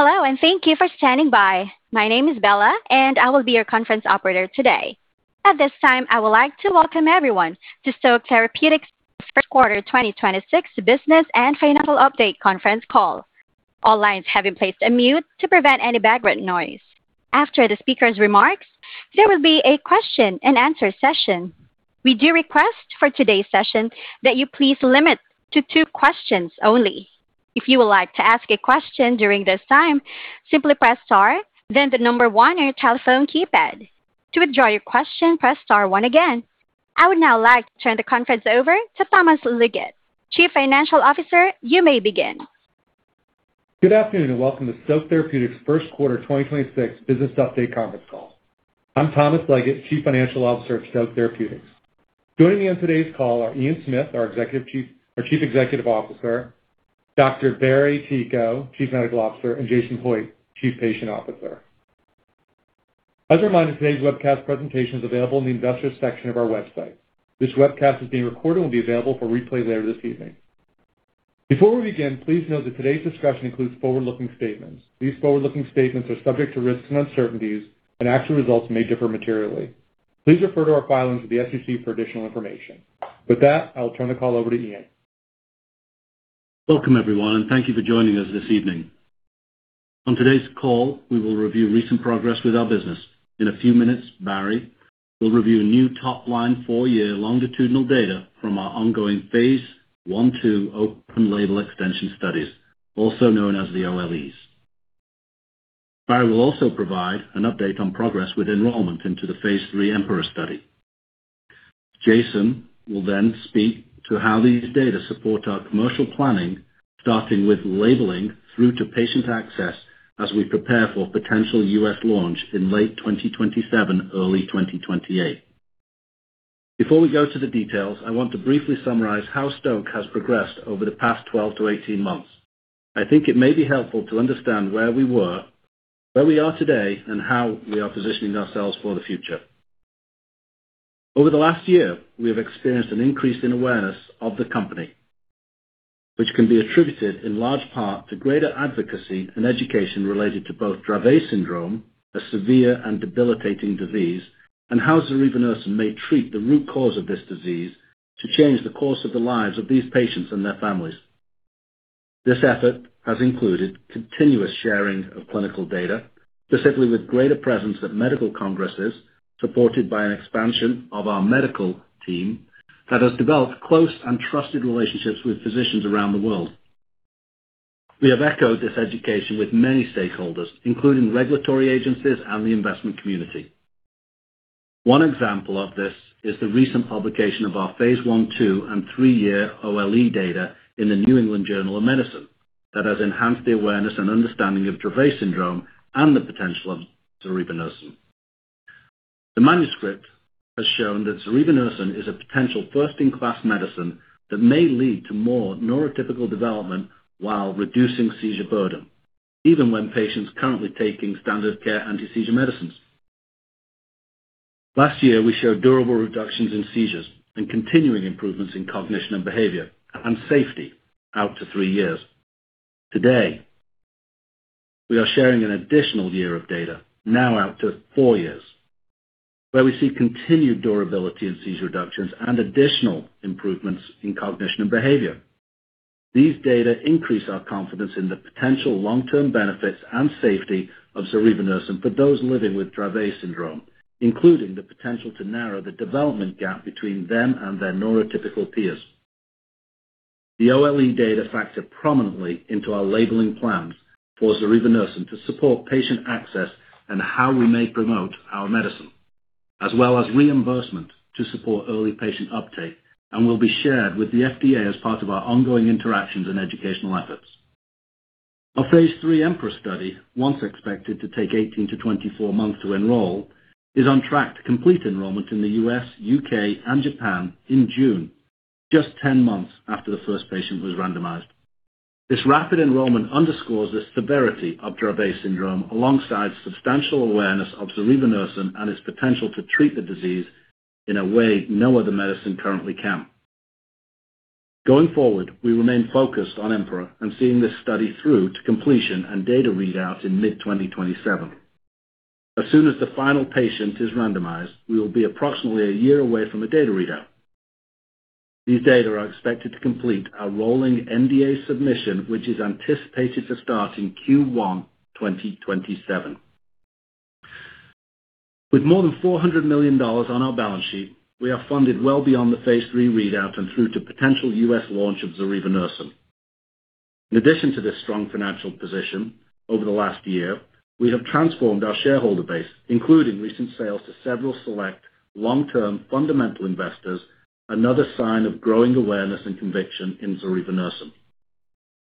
Hello, and thank you for standing by. My name is Bella, and I will be your conference operator today. At this time, I would like to welcome everyone to Stoke Therapeutics' first quarter 2026 business and financial update conference call. All lines have been placed on mute to prevent any background noise. After the speaker's remarks, there will be a question and answer session. We do request for today's session that you please limit to two questions only. If you would like to ask a question during this time, simply press star, then the number one on your telephone keypad. To withdraw your question, press star one again. I would now like to turn the conference over to Thomas Leggett, Chief Financial Officer. You may begin. Good afternoon, and welcome to Stoke Therapeutics' first quarter 2026 business update conference call. I'm Thomas Leggett, Chief Financial Officer of Stoke Therapeutics. Joining me on today's call are Ian Smith, our Chief Executive Officer, Dr. Barry Ticho, Chief Medical Officer, and Jason Hoitt, Chief Patient Officer. As a reminder, today's webcast presentation is available in the Investors section of our website. This webcast is being recorded and will be available for replay later this evening. Before we begin, please note that today's discussion includes forward-looking statements. These forward-looking statements are subject to risks and uncertainties, and actual results may differ materially. Please refer to our filings with the SEC for additional information. With that, I'll turn the call over to Ian. Welcome, everyone, and thank you for joining us this evening. On today's call, we will review recent progress with our business. In a few minutes, Barry will review new top-line four-year longitudinal data from our ongoing phase I/II open-label extension studies, also known as the OLEs. Barry will also provide an update on progress with enrollment into the phase III EMPEROR study. Jason will speak to how these data support our commercial planning, starting with labeling through to patient access as we prepare for potential U.S. launch in late 2027, early 2028. Before we go to the details, I want to briefly summarize how Stoke has progressed over the past 12 to 18 months. I think it may be helpful to understand where we were, where we are today, and how we are positioning ourselves for the future. Over the last year, we have experienced an increase in awareness of the company, which can be attributed in large part to greater advocacy and education related to both Dravet syndrome, a severe and debilitating disease, and how zorevunersen may treat the root cause of this disease to change the course of the lives of these patients and their families. This effort has included continuous sharing of clinical data, specifically with greater presence at medical congresses, supported by an expansion of our medical team that has developed close and trusted relationships with physicians around the world. We have echoed this education with many stakeholders, including regulatory agencies and the investment community. One example of this is the recent publication of our phase I, II, and three-year OLE data in the New England Journal of Medicine that has enhanced the awareness and understanding of Dravet syndrome and the potential of zorevunersen. The manuscript has shown that zorevunersen is a potential first-in-class medicine that may lead to more neurotypical development while reducing seizure burden, even when patients currently taking standard care ASMs. Last year, we showed durable reductions in seizures and continuing improvements in cognition and behavior and safety out to three years. Today, we are sharing an additional year of data, now out to four years, where we see continued durability in seizure reductions and additional improvements in cognition and behavior. These data increase our confidence in the potential long-term benefits and safety of zorevunersen for those living with Dravet syndrome, including the potential to narrow the development gap between them and their neurotypical peers. The OLE data factor prominently into our labeling plans for zorevunersen to support patient access and how we may promote our medicine, as well as reimbursement to support early patient uptake and will be shared with the FDA as part of our ongoing interactions and educational efforts. Our phase III EMPEROR study, once expected to take 18 to 24 months to enroll, is on track to complete enrollment in the U.S., U.K., and Japan in June, just 10 months after the first patient was randomized. This rapid enrollment underscores the severity of Dravet syndrome, alongside substantial awareness of zorevunersen and its potential to treat the disease in a way no other medicine currently can. Going forward, we remain focused on EMPEROR and seeing this study through to completion and data readouts in mid-2027. As soon as the final patient is randomized, we will be approximately one year away from a data readout. These data are expected to complete our rolling NDA submission, which is anticipated to start in Q1 2027. With more than $400 million on our balance sheet, we are funded well beyond the phase III readout and through to potential U.S. launch of zorevunersen. In addition to this strong financial position, over the last year, we have transformed our shareholder base, including recent sales to several select long-term fundamental investors, another sign of growing awareness and conviction in zorevunersen.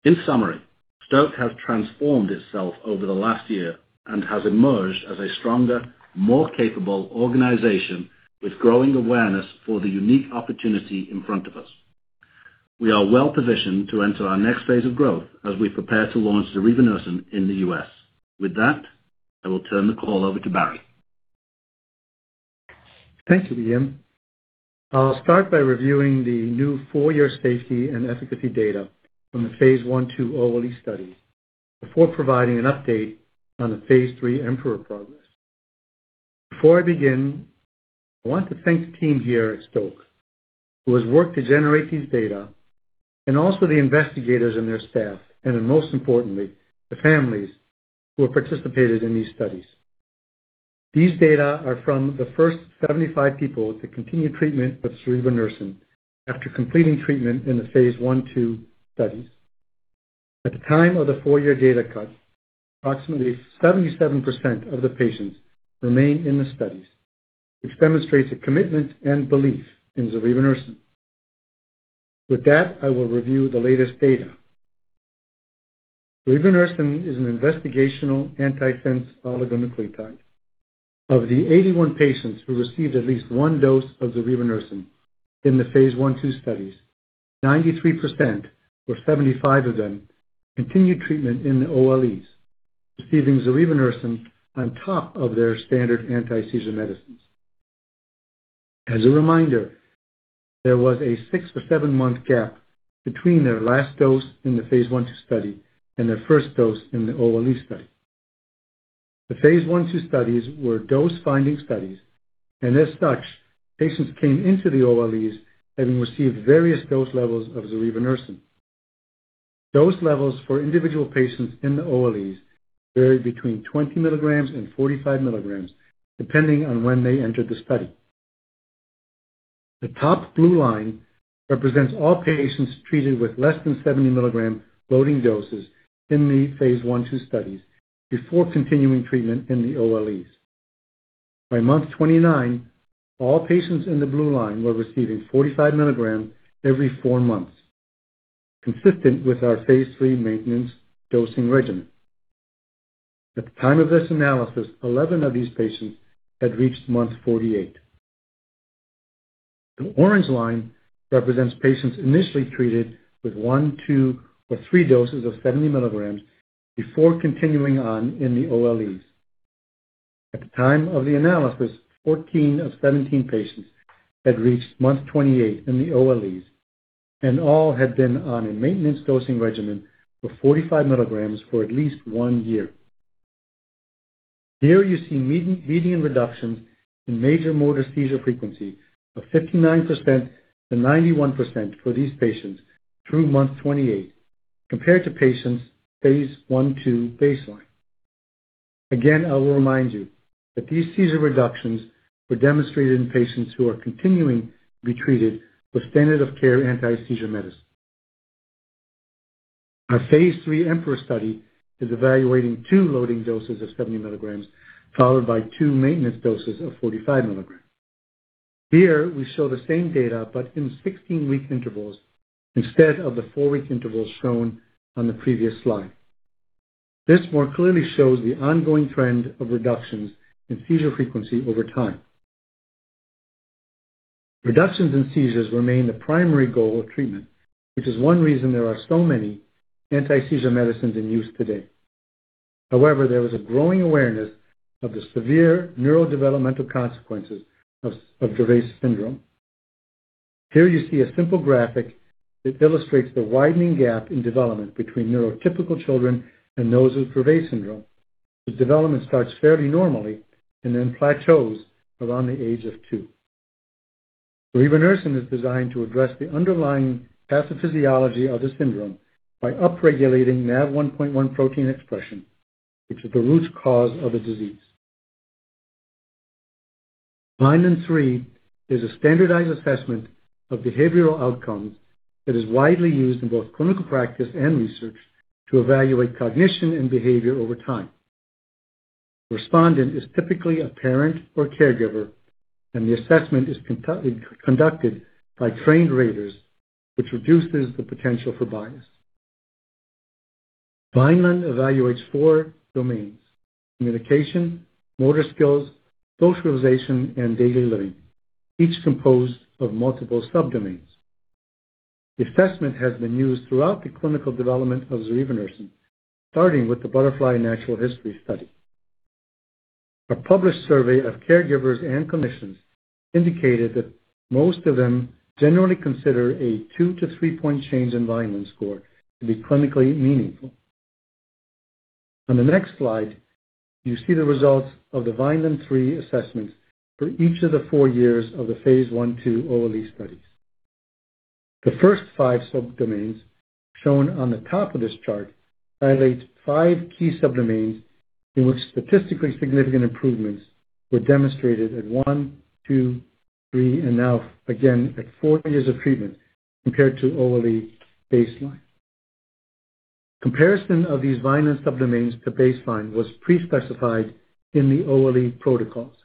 In summary, Stoke has transformed itself over the last year and has emerged as a stronger, more capable organization with growing awareness for the unique opportunity in front of us. We are well-positioned to enter our next phase of growth as we prepare to launch zorevunersen in the U.S. With that, I will turn the call over to Barry. Thank you, Ian. I'll start by reviewing the new four-year safety and efficacy data from the phase I/II OLE study before providing an update on the phase III EMPEROR progress. Before I begin, I want to thank the team here at Stoke who has worked to generate these data, and also the investigators and their staff, and then most importantly, the families who have participated in these studies. These data are from the first 75 people to continue treatment with zorevunersen after completing treatment in the phase I/II studies. At the time of the four-year data cut, approximately 77% of the patients remained in the studies, which demonstrates a commitment and belief in zorevunersen. With that, I will review the latest data. Zorevunersen is an investigational antisense oligonucleotide. Of the 81 patients who received at least one dose of zorevunersen in the phase I/II studies, 93%, or 75 of them, continued treatment in the OLEs, receiving zorevunersen on top of their standard anti-seizure medicines. As a reminder, there was a six- or seven-month gap between their last dose in the phase I/II study and their first dose in the OLE study. The phase I/II studies were dose-finding studies, as such, patients came into the OLEs having received various dose levels of zorevunersen. Dose levels for individual patients in the OLEs varied between 20 mg and 45 mg, depending on when they entered the study. The top blue line represents all patients treated with less than 70 mg loading doses in the phase I/II studies before continuing treatment in the OLEs. By month 29, all patients in the blue line were receiving 45 mg every four months, consistent with our phase III maintenance dosing regimen. At the time of this analysis, 11 of these patients had reached month 48. The orange line represents patients initially treated with one, two, or three doses of 70 mg before continuing on in the OLEs. At the time of the analysis, 14 of 17 patients had reached month 28 in the OLEs, and all had been on a maintenance dosing regimen of 45 mg for at least one year. Here you see median reductions in major motor seizure frequency of 59%-91% for these patients through month 28 compared to patients' phase I/II baseline. Again, I will remind you that these seizure reductions were demonstrated in patients who are continuing to be treated with standard of care anti-seizure medicine. Our phase III EMPEROR study is evaluating two loading doses of 70 mg followed by two maintenance doses of 45 mg. Here we show the same data, but in 16-week intervals instead of the four-week intervals shown on the previous slide. This more clearly shows the ongoing trend of reductions in seizure frequency over time. Reductions in seizures remain the primary goal of treatment, which is one reason there are so many antiseizure medications in use today. However, there is a growing awareness of the severe neurodevelopmental consequences of Dravet syndrome. Here you see a simple graphic that illustrates the widening gap in development between neurotypical children and those with Dravet syndrome, whose development starts fairly normally and then plateaus around the age of two. Zorevunersen is designed to address the underlying pathophysiology of the syndrome by upregulating NaV1.1 protein expression, which is the root cause of the disease. Vineland-3 is a standardized assessment of behavioral outcomes that is widely used in both clinical practice and research to evaluate cognition and behavior over time. The respondent is typically a parent or caregiver, and the assessment is conducted by trained raters, which reduces the potential for bias. Vineland evaluates four domains: communication, motor skills, socialization, and daily living, each composed of multiple sub-domains. The assessment has been used throughout the clinical development of zorevunersen, starting with the BUTTERFLY natural history study. A published survey of caregivers and clinicians indicated that most of them generally consider a two- to three-point change in Vineland score to be clinically meaningful. On the next slide, you see the results of the Vineland-3 assessments for each of the four years of the phase I/II OLE studies. The first five sub-domains shown on the top of this chart highlight five key sub-domains in which statistically significant improvements were demonstrated at one, two, three, and now again at four years of treatment compared to OLE baseline. Comparison of these Vineland sub-domains to baseline was pre-specified in the OLE protocols.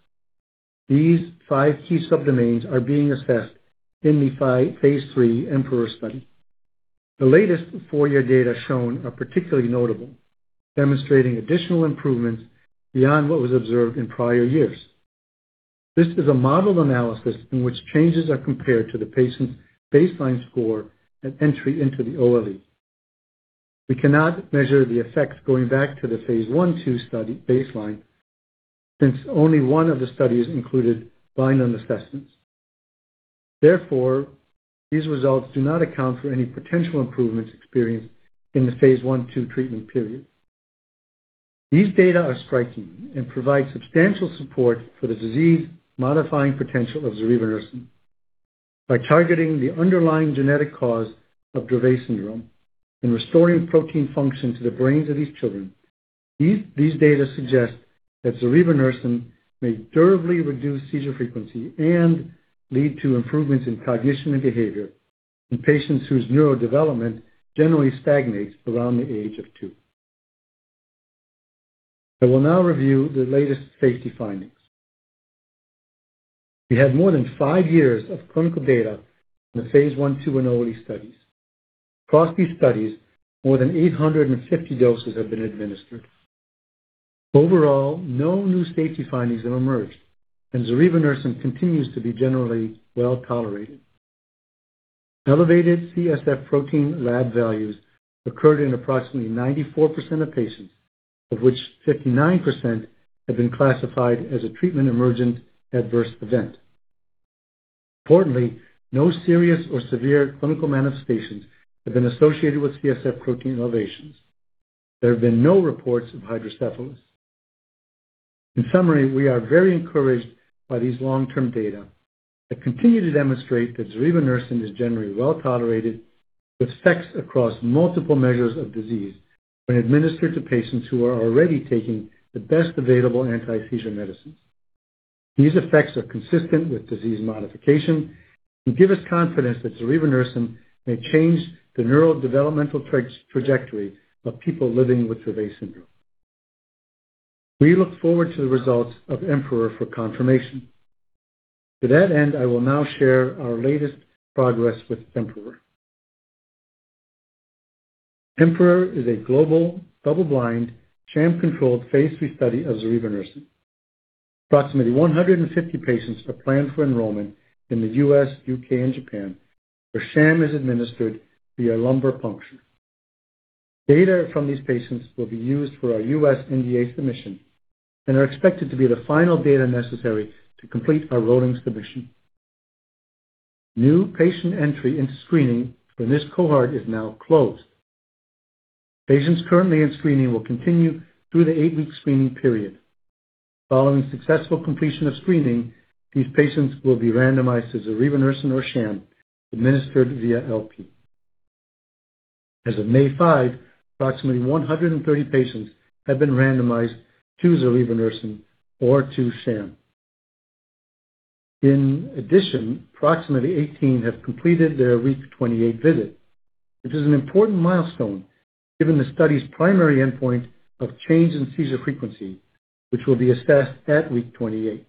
These five key sub-domains are being assessed in the phase III EMPEROR study. The latest four-year data shown are particularly notable, demonstrating additional improvements beyond what was observed in prior years. This is a modeled analysis in which changes are compared to the patient's baseline score at entry into the OLE. We cannot measure the effects going back to the phase I/II study baseline since only one of the studies included final assessments. Therefore, these results do not account for any potential improvements experienced in the phase I/II treatment period. These data are striking and provide substantial support for the disease-modifying potential of zorevunersen by targeting the underlying genetic cause of Dravet syndrome and restoring protein function to the brains of these children. These data suggest that zorevunersen may durably reduce seizure frequency and lead to improvements in cognition and behavior in patients whose neurodevelopment generally stagnates around the age of two. I will now review the latest safety findings. We have more than five years of clinical data from the phase I/II, and early studies. Across these studies, more than 850 doses have been administered. Overall, no new safety findings have emerged, and zorevunersen continues to be generally well-tolerated. Elevated CSF protein lab values occurred in approximately 94% of patients, of which 59% have been classified as a treatment-emergent adverse event. [Importantly] no serious or severe clinical manifestations have been associated with CSF protein elevations. There have been no reports of hydrocephalus. In summary, we are very encouraged by these long-term data that continue to demonstrate that zorevunersen is generally well-tolerated with effects across multiple measures of disease when administered to patients who are already taking the best available antiseizure medications. These effects are consistent with disease modification and give us confidence that zorevunersen may change the neurodevelopmental trajectory of people living with Dravet syndrome. We look forward to the results of EMPEROR for confirmation. I will now share our latest progress with EMPEROR. EMPEROR is a global, double-blind, sham-controlled phase III study of zorevunersen. Approximately 150 patients are planned for enrollment in the U.S., U.K., and Japan, where sham is administered via lumbar puncture. Data from these patients will be used for our U.S. NDA submission and are expected to be the final data necessary to complete our rolling submission. New patient entry and screening for this cohort is now closed. Patients currently in screening will continue through the eight-week screening period. Following successful completion of screening, these patients will be randomized to zorevunersen or sham administered via LP. As of May 5, approximately 130 patients have been randomized to zorevunersen or to sham. In addition, approximately 18 have completed their week 28 visit, which is an important milestone given the study's primary endpoint of change in seizure frequency, which will be assessed at week 28.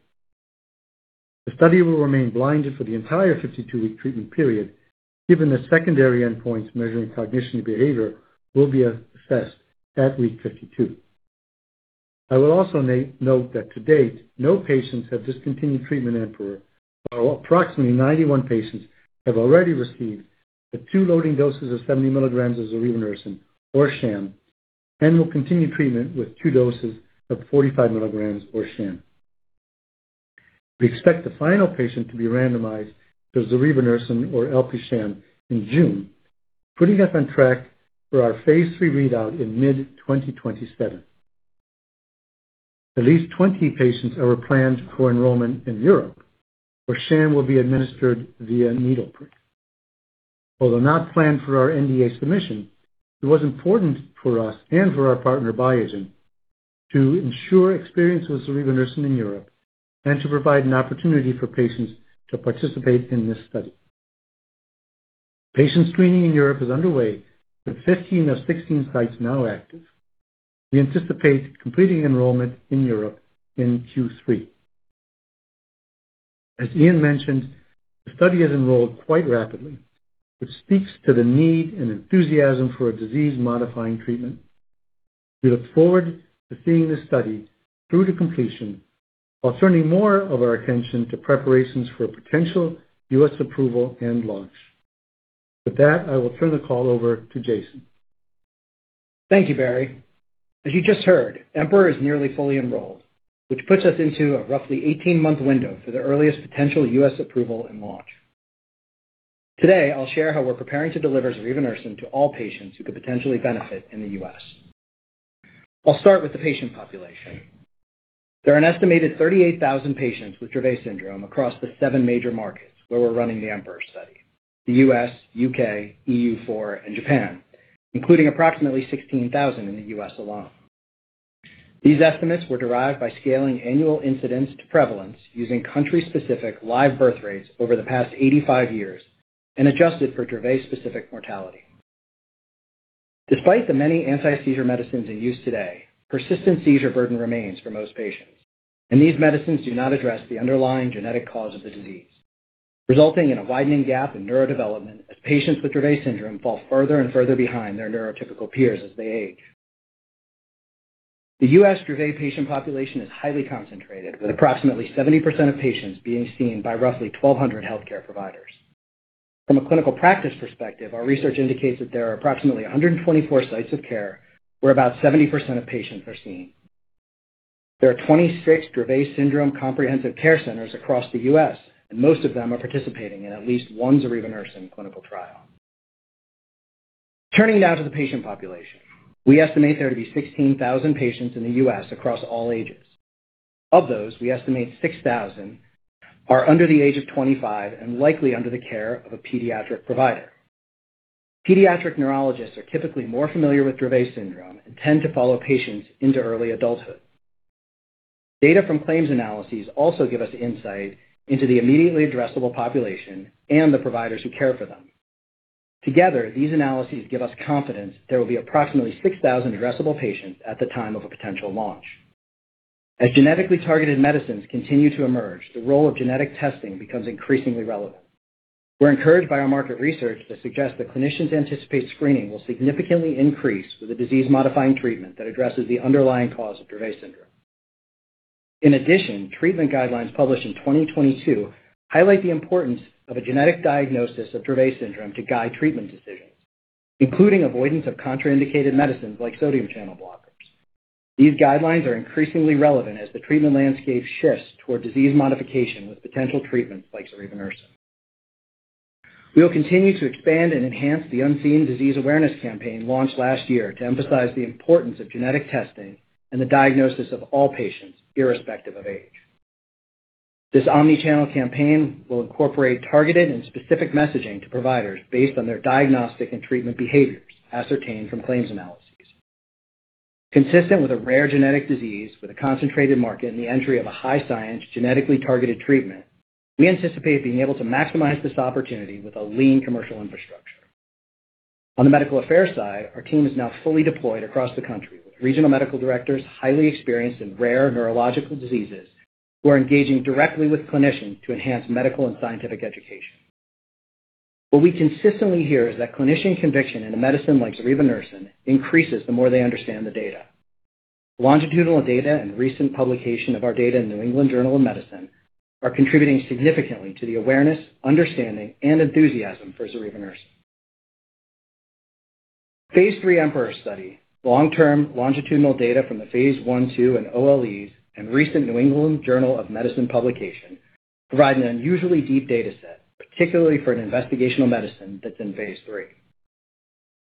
The study will remain blinded for the entire 52-week treatment period, given the secondary endpoints measuring cognition and behavior will be assessed at week 52. I will also note that to date, no patients have discontinued treatment in EMPEROR, while approximately 91 patients have already received the two loading doses of 70 mg of zorevunersen or sham and will continue treatment with two doses of 45 mg or sham. We expect the final patient to be randomized to zorevunersen or LP sham in June, putting us on track for our phase III readout in mid 2027. At least 20 patients are planned for enrollment in Europe, where sham will be administered via needle prick. Although not planned for our NDA submission, it was important for us and for our partner, Biogen, to ensure experience with zorevunersen in Europe and to provide an opportunity for patients to participate in this study. Patient screening in Europe is underway, with 15 of 16 sites now active. We anticipate completing enrollment in Europe in Q3. As Ian mentioned, the study has enrolled quite rapidly, which speaks to the need and enthusiasm for a disease-modifying treatment. We look forward to seeing this study through to completion while turning more of our attention to preparations for potential U.S. approval and launch. With that, I will turn the call over to Jason. Thank you, Barry. As you just heard, EMPEROR is nearly fully enrolled, which puts us into a roughly 18-month window for the earliest potential U.S. approval and launch. Today, I'll share how we're preparing to deliver zorevunersen to all patients who could potentially benefit in the U.S. I'll start with the patient population. There are an estimated 38,000 patients with Dravet syndrome across the seven major markets where we're running the EMPEROR study, the U.S., U.K., EU4, and Japan, including approximately 16,000 in the U.S. alone. These estimates were derived by scaling annual incidence to prevalence using country-specific live birth rates over the past 85 years and adjusted for Dravet-specific mortality. Despite the many antiseizure medications in use today, persistent seizure burden remains for most patients, and these medications do not address the underlying genetic cause of the disease, resulting in a widening gap in neurodevelopment as patients with Dravet syndrome fall further and further behind their neurotypical peers as they age. The U.S. Dravet patient population is highly concentrated, with approximately 70% of patients being seen by roughly 1,200 healthcare providers. From a clinical practice perspective, our research indicates that there are approximately 124 sites of care where about 70% of patients are seen. There are 26 Dravet syndrome comprehensive care centers across the U.S., and most of them are participating in at least one zorevunersen clinical trial. Turning now to the patient population. We estimate there to be 16,000 patients in the U.S. across all ages. Of those, we estimate 6,000 are under the age of 25 and likely under the care of a pediatric provider. Pediatric neurologists are typically more familiar with Dravet syndrome and tend to follow patients into early adulthood. Data from claims analyses also give us insight into the immediately addressable population and the providers who care for them. Together, these analyses give us confidence there will be approximately 6,000 addressable patients at the time of a potential launch. As genetically targeted medicines continue to emerge, the role of genetic testing becomes increasingly relevant. We're encouraged by our market research that suggests that clinicians anticipate screening will significantly increase with a disease-modifying treatment that addresses the underlying cause of Dravet syndrome. In addition, treatment guidelines published in 2022 highlight the importance of a genetic diagnosis of Dravet syndrome to guide treatment decisions, including avoidance of contraindicated medicines like sodium channel blockers. These guidelines are increasingly relevant as the treatment landscape shifts toward disease modification with potential treatments like zorevunersen. We will continue to expand and enhance the unseen disease awareness campaign launched last year to emphasize the importance of genetic testing and the diagnosis of all patients, irrespective of age. This omni-channel campaign will incorporate targeted and specific messaging to providers based on their diagnostic and treatment behaviors ascertained from claims analyses. Consistent with a rare genetic disease with a concentrated market and the entry of a high science genetically targeted treatment, we anticipate being able to maximize this opportunity with a lean commercial infrastructure. On the medical affairs side, our team is now fully deployed across the country, with regional medical directors highly experienced in rare neurological diseases who are engaging directly with clinicians to enhance medical and scientific education. What we consistently hear is that clinician conviction in a medicine like zorevunersen increases the more they understand the data. Longitudinal data and recent publication of our data in New England Journal of Medicine are contributing significantly to the awareness, understanding, and enthusiasm for zorevunersen. Phase III EMPEROR study, long-term longitudinal data from the phase I, II, and OLEs, and recent New England Journal of Medicine publication provide an unusually deep data set, particularly for an investigational medicine that's in phase III.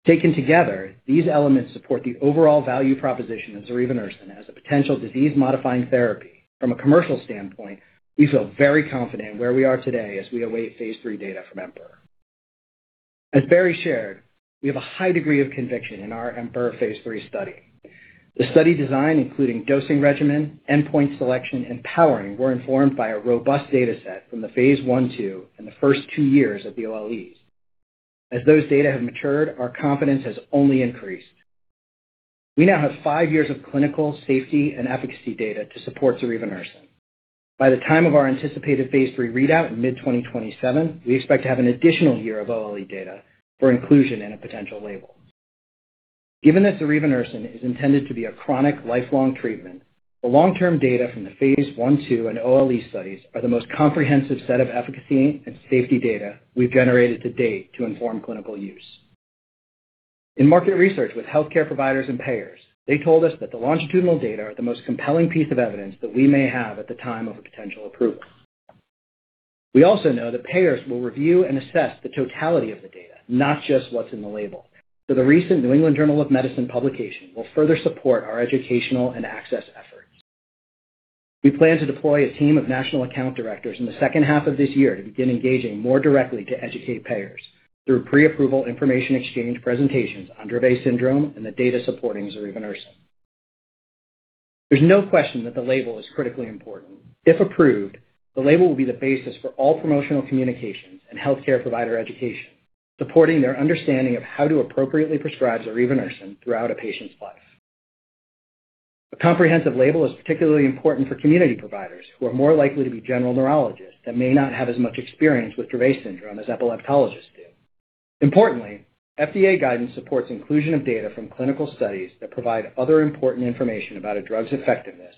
Taken together, these elements support the overall value proposition of zorevunersen as a potential disease-modifying therapy. From a commercial standpoint, we feel very confident in where we are today as we await phase III data from EMPEROR. As Barry shared, we have a high degree of conviction in our EMPEROR phase III study. The study design, including dosing regimen, endpoint selection, and powering, were informed by a robust data set from the phase I, II and the first two years of the OLEs. As those data have matured, our confidence has only increased. We now have five years of clinical safety and efficacy data to support zorevunersen. By the time of our anticipated phase III readout in mid-2027, we expect to have an additional year of OLE data for inclusion in a potential label. Given that zorevunersen is intended to be a chronic, lifelong treatment, the long-term data from the phase I, II, and OLE studies are the most comprehensive set of efficacy and safety data we've generated to date to inform clinical use. In market research with healthcare providers and payers, they told us that the longitudinal data are the most compelling piece of evidence that we may have at the time of a potential approval. We also know that payers will review and assess the totality of the data, not just what's in the label. The recent New England Journal of Medicine publication will further support our educational and access efforts. We plan to deploy a team of national account directors in the second half of this year to begin engaging more directly to educate payers through pre-approval information exchange presentations on Dravet syndrome and the data supporting zorevunersen. There's no question that the label is critically important. If approved, the label will be the basis for all promotional communications and healthcare provider education, supporting their understanding of how to appropriately prescribe zorevunersen throughout a patient's life. A comprehensive label is particularly important for community providers who are more likely to be general neurologists that may not have as much experience with Dravet syndrome as epileptologists do. Importantly, FDA guidance supports inclusion of data from clinical studies that provide other important information about a drug's effectiveness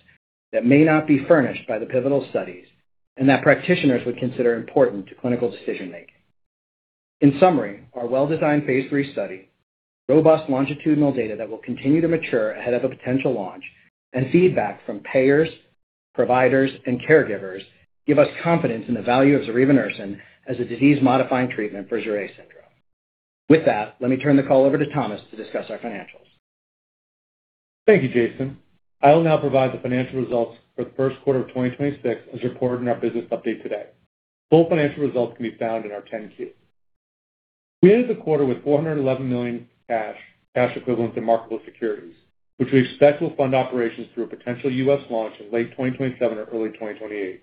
that may not be furnished by the pivotal studies and that practitioners would consider important to clinical decision-making. In summary, our well-designed phase III study, robust longitudinal data that will continue to mature ahead of a potential launch, and feedback from payers, providers, and caregivers give us confidence in the value of zorevunersen as a disease-modifying treatment for Dravet syndrome. With that, let me turn the call over to Thomas to discuss our financials. Thank you, Jason. I will now provide the financial results for the first quarter of 2026 as reported in our business update today. Full financial results can be found in our 10-Q. We ended the quarter with $411 million cash equivalents, and marketable securities, which we expect will fund operations through a potential U.S. launch in late 2027 or early 2028.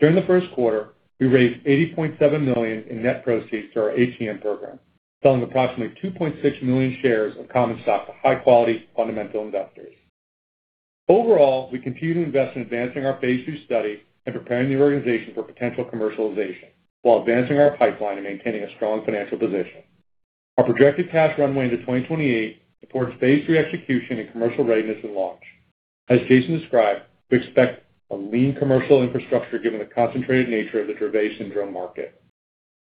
During the first quarter, we raised $80.7 million in net proceeds through our ATM program, selling approximately 2.6 million shares of common stock to high-quality fundamental investors. Overall, we continue to invest in advancing our phase II study and preparing the organization for potential commercialization while advancing our pipeline and maintaining a strong financial position. Our projected path runway into 2028 supports phase III execution and commercial readiness and launch. As Jason described, we expect a lean commercial infrastructure given the concentrated nature of the Dravet syndrome market.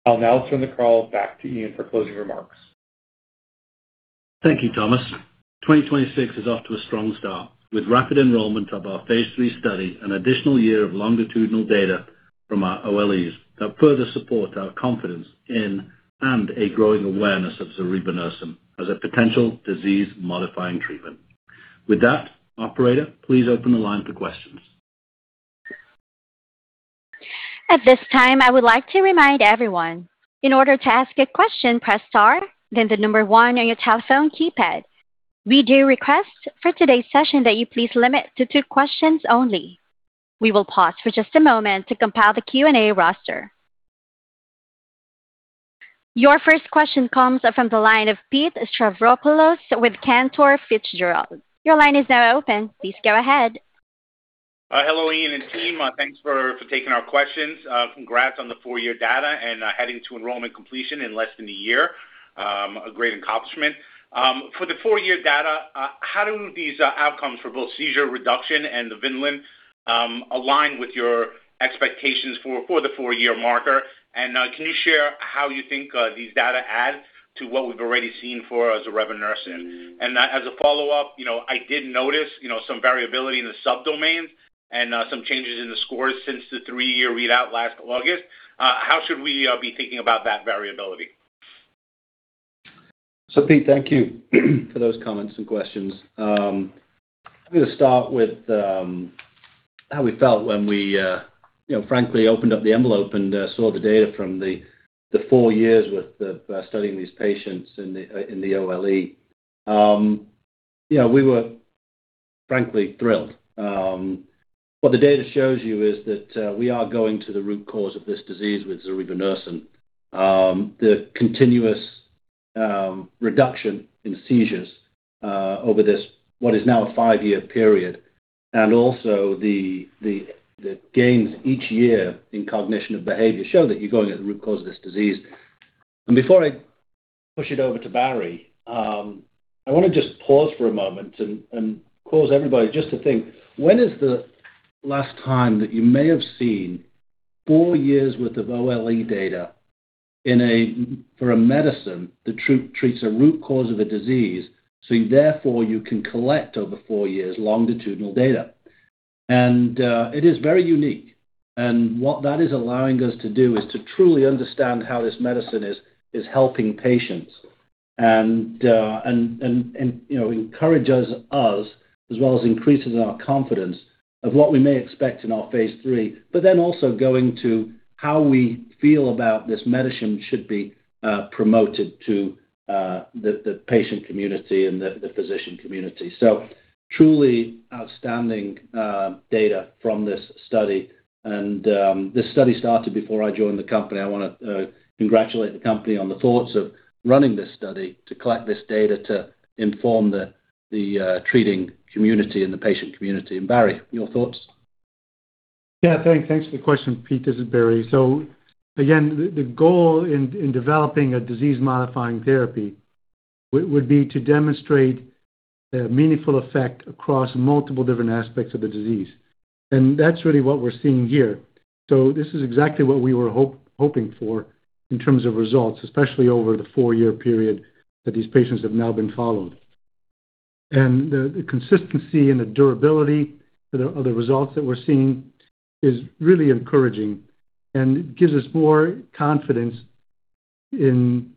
I will now turn the call back to Ian for closing remarks. Thank you, Thomas. 2026 is off to a strong start with rapid enrollment of our phase III study, an additional year of longitudinal data from our OLEs that further support our confidence in and a growing awareness of zorevunersen as a potential disease-modifying treatment. With that, operator, please open the line for questions. At this time, I would like to remind everyone, in order to ask a question, press star then the number one on your telephone keypad. We do request for today's session that you please limit to two questions only. We will pause for just a moment to compile the Q&A roster. Your first question comes from the line of Pete Stavropoulos with Cantor. Your line is now open. Please go ahead. Hello, Ian and team. Thanks for taking our questions. Congrats on the four-year data and heading to enrollment completion in less than one year. A great accomplishment. For the four-year data, how do these outcomes for both seizure reduction and the Vineland align with your expectations for the four-year marker? Can you share how you think these data add to what we've already seen for zorevunersen? As a follow-up, you know, I did notice, you know, some variability in the subdomains and some changes in the scores since the three-year readout last August. How should we be thinking about that variability? Pete, thank you for those comments and questions. I'm gonna start with how we felt when we, you know, frankly opened up the envelope and saw the data from the four years studying these patients in the OLE. Yeah, we were frankly thrilled. What the data shows you is that we are going to the root cause of this disease with zorevunersen. The continuous reduction in seizures over this, what is now a five-year period, and also the gains each year in cognition of behavior show that you're going at the root cause of this disease. Before I push it over to Barry, I wanna just pause for a moment and cause everybody just to think. When is the last time that you may have seen four years worth of OLE data for a medicine that treats a root cause of a disease, so you therefore you can collect over four years longitudinal data? It is very unique. What that is allowing us to do is to truly understand how this medicine is helping patients. You know, encourages us as well as increasing our confidence of what we may expect in our phase III, also going to how we feel about this medicine should be promoted to the patient community and the physician community. Truly outstanding data from this study. This study started before I joined the company. I wanna congratulate the company on the thoughts of running this study to collect this data to inform the treating community and the patient community. Barry, your thoughts? Yeah. Thanks for the question, Pete. This is Barry. Again, the goal in developing a disease-modifying therapy would be to demonstrate a meaningful effect across multiple different aspects of the disease. That's really what we're seeing here. This is exactly what we were hoping for in terms of results, especially over the four-year period that these patients have now been followed. The consistency and the durability of the results that we're seeing is really encouraging and gives us more confidence in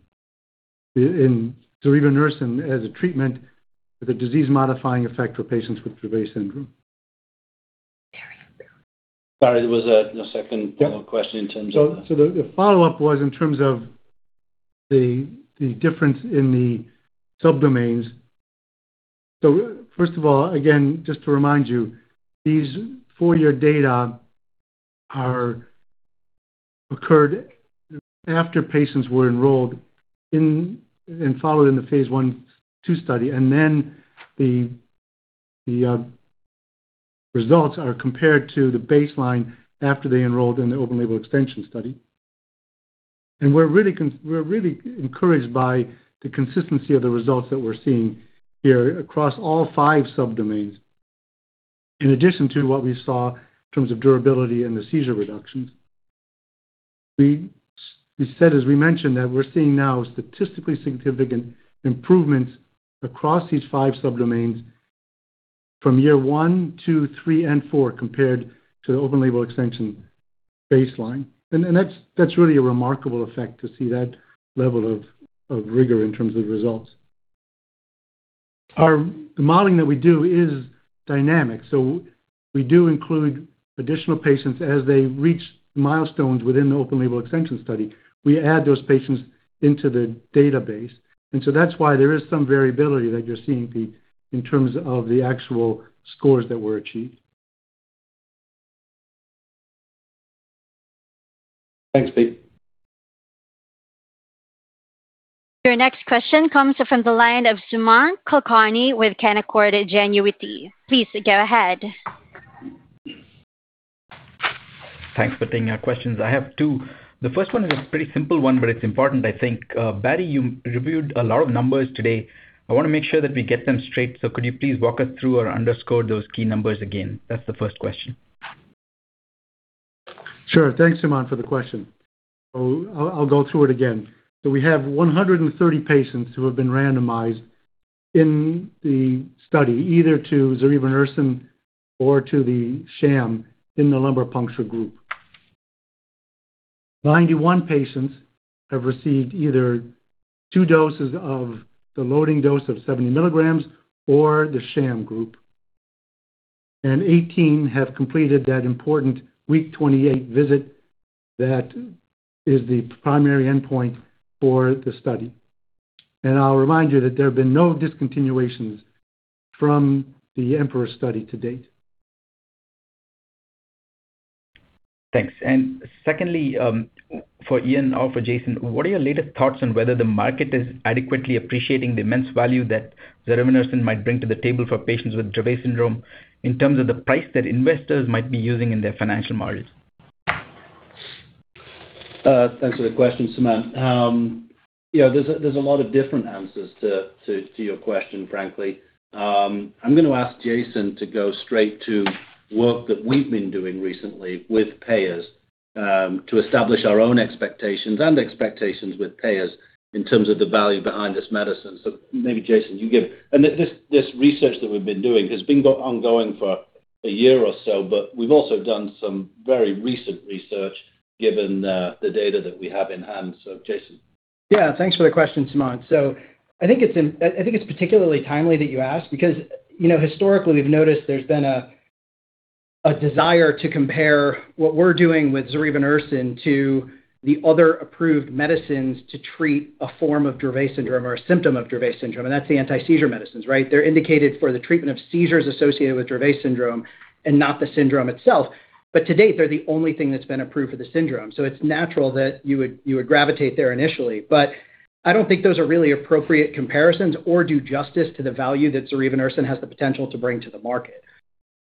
zorevunersen as a treatment with a disease-modifying effect for patients with Dravet syndrome. Barry, there was a second. Yep. Question in terms of, uh. The follow-up was in terms of the difference in the subdomains. First of all, again, just to remind you, these four-year data occurred after patients were enrolled in and followed in the phase I/II study. The results are compared to the baseline after they enrolled in the open-label extension study. We're really encouraged by the consistency of the results that we're seeing here across all five subdomains. In addition to what we saw in terms of durability and the seizure reductions, we said, as we mentioned, that we're seeing now statistically significant improvements across these five subdomains from year one, two, three, and four compared to the open-label extension baseline. That's really a remarkable effect to see that level of rigor in terms of results. The modeling that we do is dynamic. We do include additional patients as they reach milestones within the open label extension study. We add those patients into the database. That's why there is some variability that you're seeing, Pete, in terms of the actual scores that were achieved. Thanks, Pete. Your next question comes from the line of Sumant Kulkarni with Canaccord Genuity. Please go ahead. Thanks for taking our questions. I have two. The first one is a pretty simple one, but it's important, I think. Barry, you reviewed a lot of numbers today. I want to make sure that we get them straight. Could you please walk us through or underscore those key numbers again? That's the first question. Sure. Thanks, Sumant, for the question. I'll go through it again. We have 130 patients who have been randomized in the study, either to zorevunersen or to the sham in the lumbar puncture group. 91 patients have received either two doses of the loading dose of 70 mg or the sham group. 18 have completed that important week 28 visit that is the primary endpoint for the study. I'll remind you that there have been no discontinuations from the EMPEROR study to date. Thanks. Secondly, for Ian or for Jason, what are your latest thoughts on whether the market is adequately appreciating the immense value that zorevunersen might bring to the table for patients with Dravet syndrome in terms of the price that investors might be using in their financial models? Thanks for the question, Sumant. You know, there's a lot of different answers to your question, frankly. I'm going to ask Jason to go straight to work that we've been doing recently with payers to establish our own expectations and expectations with payers in terms of the value behind this medicine. Maybe Jason, you give. This research that we've been doing has been ongoing for a year or so, but we've also done some very recent research given the data that we have in-hand. Jason. Yeah. Thanks for the question, Sumant. I think it's particularly timely that you ask because, you know, historically we've noticed there's been a desire to compare what we're doing with zorevunersen to the other approved medicines to treat a form of Dravet syndrome or a symptom of Dravet syndrome, and that's the anti-seizure medicines, right? They're indicated for the treatment of seizures associated with Dravet syndrome and not the syndrome itself. To date, they're the only thing that's been approved for the syndrome. It's natural that you would gravitate there initially. I don't think those are really appropriate comparisons or do justice to the value that zorevunersen has the potential to bring to the market.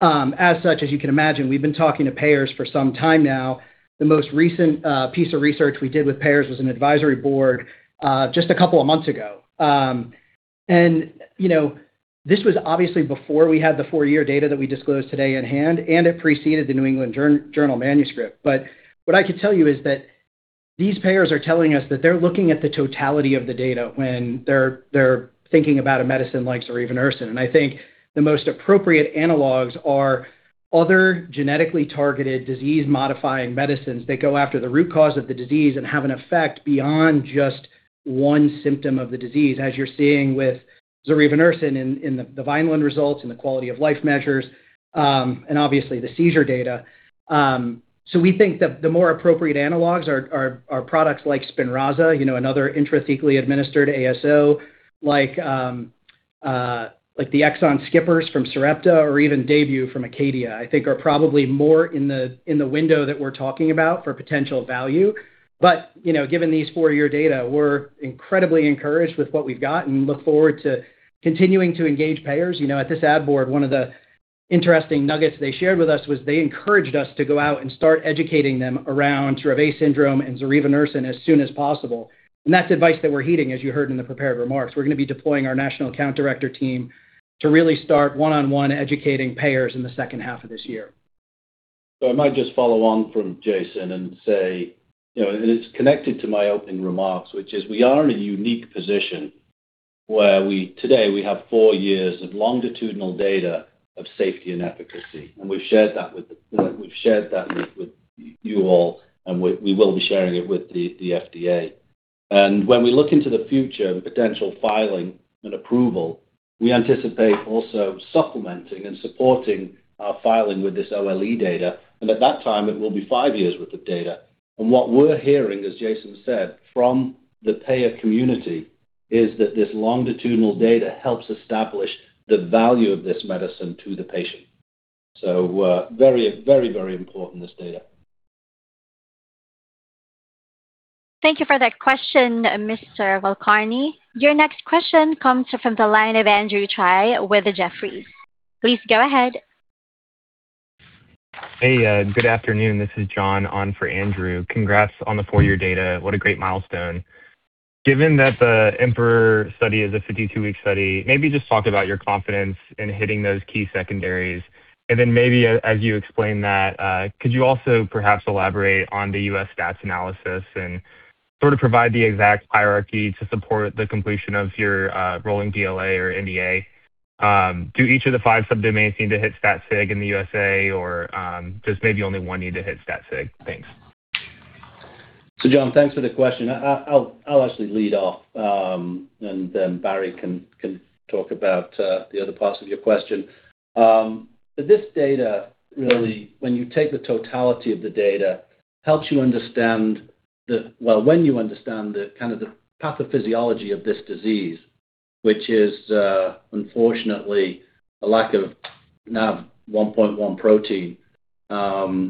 As such, as you can imagine, we've been talking to payers for some time now. The most recent piece of research we did with payers was an advisory board, just a couple of months ago. You know, this was obviously before we had the four-year data that we disclosed today in hand, and it preceded the New England Journal Manuscript. What I can tell you is that these payers are telling us that they're looking at the totality of the data when they're thinking about a medicine like zorevunersen. I think the most appropriate analogs are other genetically targeted disease-modifying medicines that go after the root cause of the disease and have an effect beyond just one symptom of the disease, as you're seeing with zorevunersen in the Vineland results, in the quality of life measures, and obviously the seizure data. We think that the more appropriate analogs are products like SPINRAZA, you know, another intrathecally administered ASO, like the exon skippers from Sarepta or even DAYBUE from Acadia, I think are probably more in the window that we're talking about for potential value. You know, given these four-year data, we're incredibly encouraged with what we've got and look forward to continuing to engage payers. You know, at this ad board, one of the interesting nuggets they shared with us was they encouraged us to go out and start educating them around Dravet syndrome and zorevunersen as soon as possible. That's advice that we're heeding, as you heard in the prepared remarks. We're gonna be deploying our national account director team to really start one-on-one educating payers in the second half of this year. I might just follow on from Jason and say, you know, it's connected to my opening remarks, which is we are in a unique position where today we have four years of longitudinal data of safety and efficacy, and we've shared that with you all, and we will be sharing it with the FDA. When we look into the future and potential filing and approval, we anticipate also supplementing and supporting our filing with this OLE data. At that time, it will be five years worth of data. What we're hearing, as Jason said, from the payer community, is that this longitudinal data helps establish the value of this medicine to the patient. Very, very, very important, this data. Thank you for that question, Mr. Kulkarni. Your next question comes from the line of Andrew Tsai with Jefferies. Please go ahead. Hey, good afternoon. This is John on for Andrew. Congrats on the four-year data. What a great milestone. Given that the EMPEROR study is a 52-week study, maybe just talk about your confidence in hitting those key secondaries. Then as you explain that, could you also perhaps elaborate on the U.S. stats analysis and sort of provide the exact hierarchy to support the completion of your rolling BLA or NDA? Do each of the five sub-domains need to hit stat sig in the U.S.A. or does maybe only one need to hit stat sig? Thanks. John, thanks for the question. I'll actually lead off, and then Barry can talk about the other parts of your question. This data really, when you take the totality of the data, helps you understand when you understand the kind of the pathophysiology of this disease, which is unfortunately a lack of NaV1.1 protein,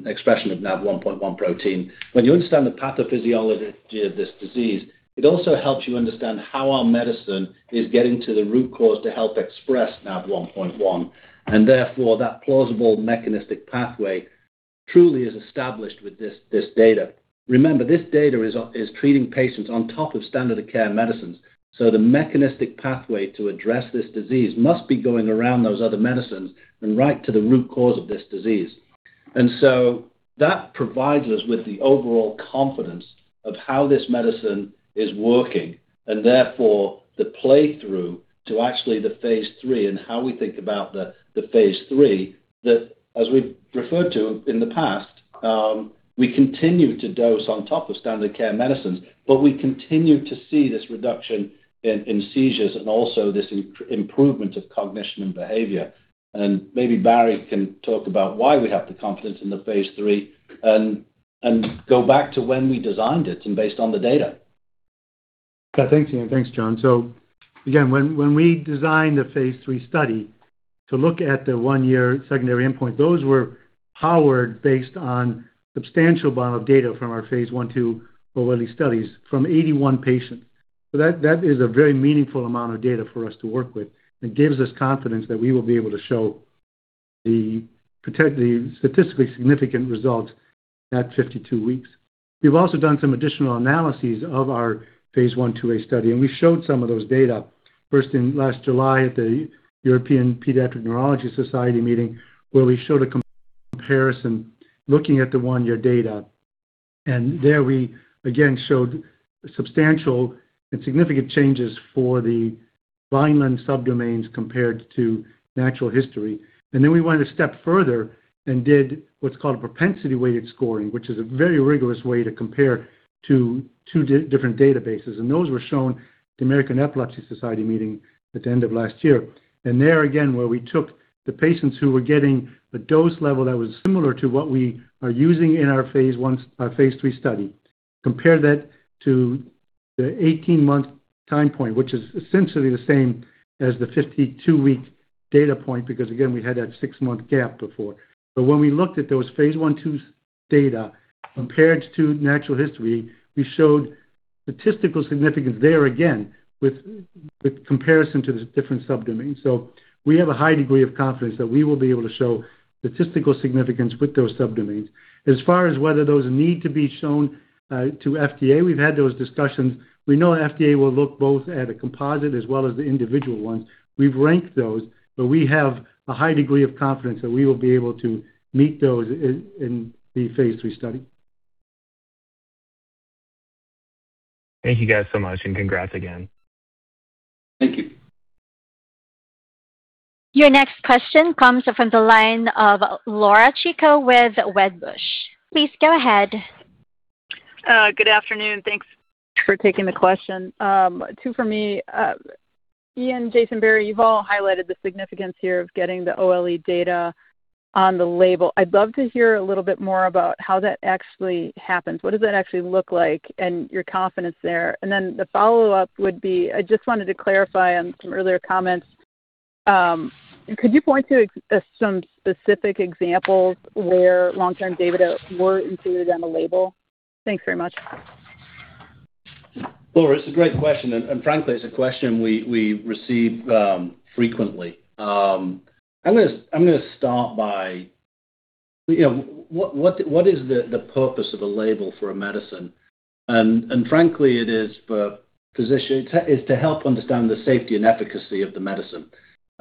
expression of NaV1.1 protein. When you understand the pathophysiology of this disease, it also helps you understand how our medicine is getting to the root cause to help express NaV1.1, and therefore that plausible mechanistic pathway truly is established with this data. Remember, this data is treating patients on top of standard of care medicines. The mechanistic pathway to address this disease must be going around those other medicines and right to the root cause of this disease. That provides us with the overall confidence of how this medicine is working, and therefore the play through to actually the phase III and how we think about the phase III that as we've referred to in the past, we continue to dose on top of standard care medicines, but we continue to see this reduction in seizures and also this improvement of cognition and behavior. Maybe Barry can talk about why we have the confidence in the phase III and go back to when we designed it and based on the data. Yeah. Thanks, Ian. Thanks, John. Again, when we designed the phase III study to look at the one-year secondary endpoint, those were powered based on substantial amount of data from our phase I/II OLE studies from 81 patients. That is a very meaningful amount of data for us to work with and gives us confidence that we will be able to show the statistically significant results at 52 weeks. We've also done some additional analyses of our phase I/II-A study, and we showed some of those data first in last July at the European Paediatric Neurology Society meeting, where we showed a comparison looking at the one-year data. There we again showed substantial and significant changes for the Vineland subdomains compared to natural history. We went a step further and did what's called a propensity-weighted scoring, which is a very rigorous way to compare two different databases. Those were shown at the American Epilepsy Society meeting at the end of last year. There again, where we took the patients who were getting a dose level that was similar to what we are using in our phase III study, compared that to the 18-month time point, which is essentially the same as the 52-week data point, because again, we had that six-month gap before. When we looked at those phase I/II's data compared to natural history, we showed statistical significance there again with comparison to the different subdomains. We have a high degree of confidence that we will be able to show statistical significance with those subdomains. As far as whether those need to be shown, to FDA, we've had those discussions. We know FDA will look both at a composite as well as the individual ones. We've ranked those, but we have a high degree of confidence that we will be able to meet those in the phase III study. Thank you guys so much, and congrats again. Thank you. Your next question comes from the line of Laura Chico with Wedbush. Please go ahead. Good afternoon. Thanks for taking the question. Two for me. Ian, Jason, Barry, you've all highlighted the significance here of getting the OLE data on the label. I'd love to hear a little bit more about how that actually happens, what does that actually look like, and your confidence there. The follow-up would be, I just wanted to clarify on some earlier comments, could you point to some specific examples where long-term data were included on a label? Thanks very much. Laura, it's a great question, and frankly, it's a question we receive frequently. I'm gonna start by, you know, what is the purpose of a label for a medicine? Frankly, it is for physicians. It's to help understand the safety and efficacy of the medicine.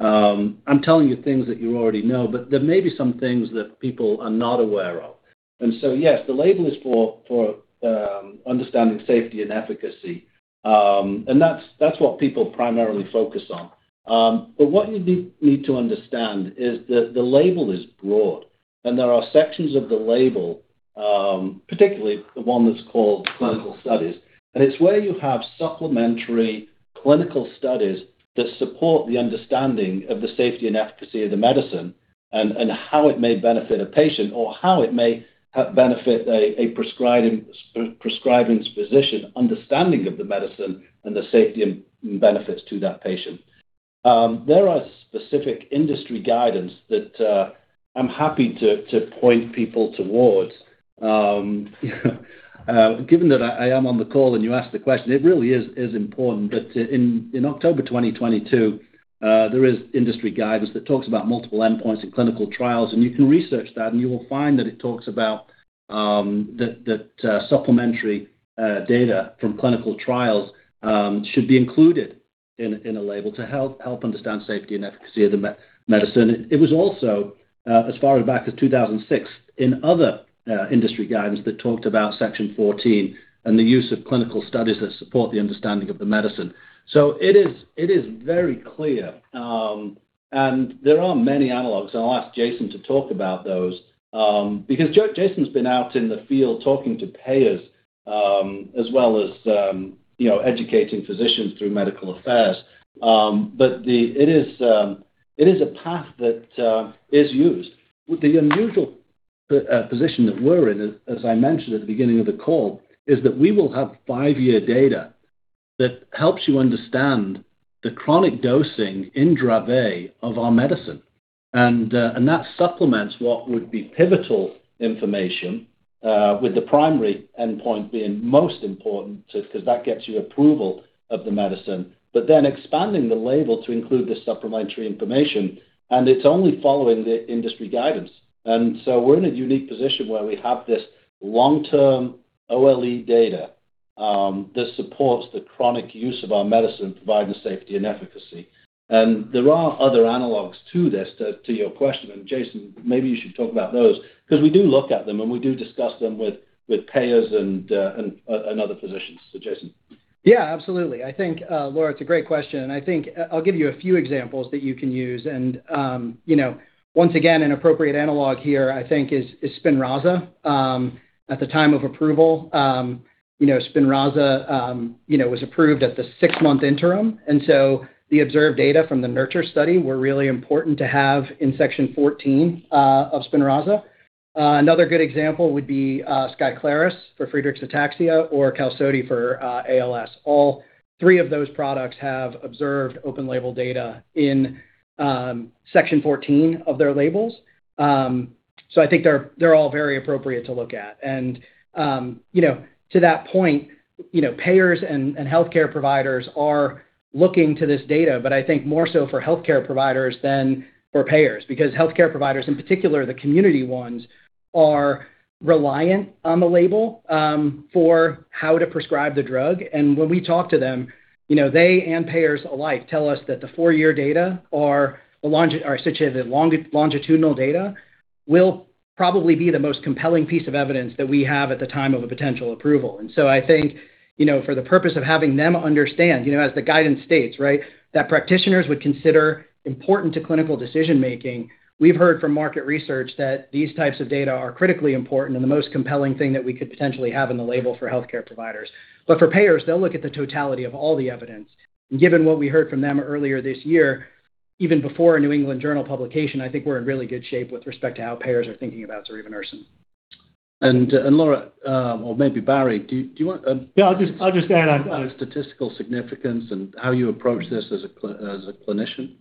I'm telling you things that you already know, but there may be some things that people are not aware of. Yes, the label is for understanding safety and efficacy. That's what people primarily focus on. What you do need to understand is that the label is broad and there are sections of the label, particularly the one that's called clinical studies. It's where you have supplementary clinical studies that support the understanding of the safety and efficacy of the medicine and how it may benefit a patient or how it may benefit a prescribing physician understanding of the medicine and the safety and benefits to that patient. There are specific industry guidance that I'm happy to point people towards. Given that I am on the call and you asked the question, it really is important. In October 2022, there is industry guidance that talks about multiple endpoints in clinical trials, and you can research that, and you will find that it talks about supplementary data from clinical trials should be included in a label to help understand safety and efficacy of the medicine. It was also, as far back as 2006 in other industry guidance that talked about section 14 and the use of clinical studies that support the understanding of the medicine. It is very clear. There are many analogs, and I'll ask Jason to talk about those, because Jason's been out in the field talking to payers, as well as, you know, educating physicians through medical affairs. It is a path that is used. The unusual position that we're in, as I mentioned at the beginning of the call, is that we will have five-year data that helps you understand the chronic dosing in Dravet of our medicine. That supplements what would be pivotal information with the primary endpoint being most important to, 'cause that gets you approval of the medicine. Expanding the label to include this supplementary information, and it's only following the industry guidance. So we're in a unique position where we have this long-term OLE data. This supports the chronic use of our medicine, providing safety and efficacy. There are other analogs to this to your question, and Jason, maybe you should talk about those 'cause we do look at them, and we do discuss them with payers and other physicians. Jason. Yeah, absolutely. I think, Laura, it's a great question, and I think I'll give you a few examples that you can use. You know, once again, an appropriate analog here, I think, is SPINRAZA. At the time of approval, you know, SPINRAZA, you know, was approved at the six-month interim. The observed data from the NURTURE study were really important to have in section 14 of SPINRAZA. Another good example would be SKYCLARYS for Friedreich’s Ataxia or QALSODY for ALS. All three of those products have observed open label data in section 14 of their labels. I think they're all very appropriate to look at. You know, to that point, you know, payers and healthcare providers are looking to this data, but I think more so for healthcare providers than for payers. Because healthcare providers, in particular the community ones, are reliant on the label for how to prescribe the drug. When we talk to them, you know, they and payers alike tell us that the four-year data or the longitudinal data will probably be the most compelling piece of evidence that we have at the time of a potential approval. I think, you know, for the purpose of having them understand, you know, as the guidance states, right, that practitioners would consider important to clinical decision-making. We've heard from market research that these types of data are critically important and the most compelling thing that we could potentially have in the label for healthcare providers. For payers, they'll look at the totality of all the evidence. Given what we heard from them earlier this year, even before a New England Journal publication, I think we're in really good shape with respect to how payers are thinking about zorevunersen. Laura, or maybe Barry, do you want? Yeah, I'll just add on. On a statistical significance and how you approach this as a clinician.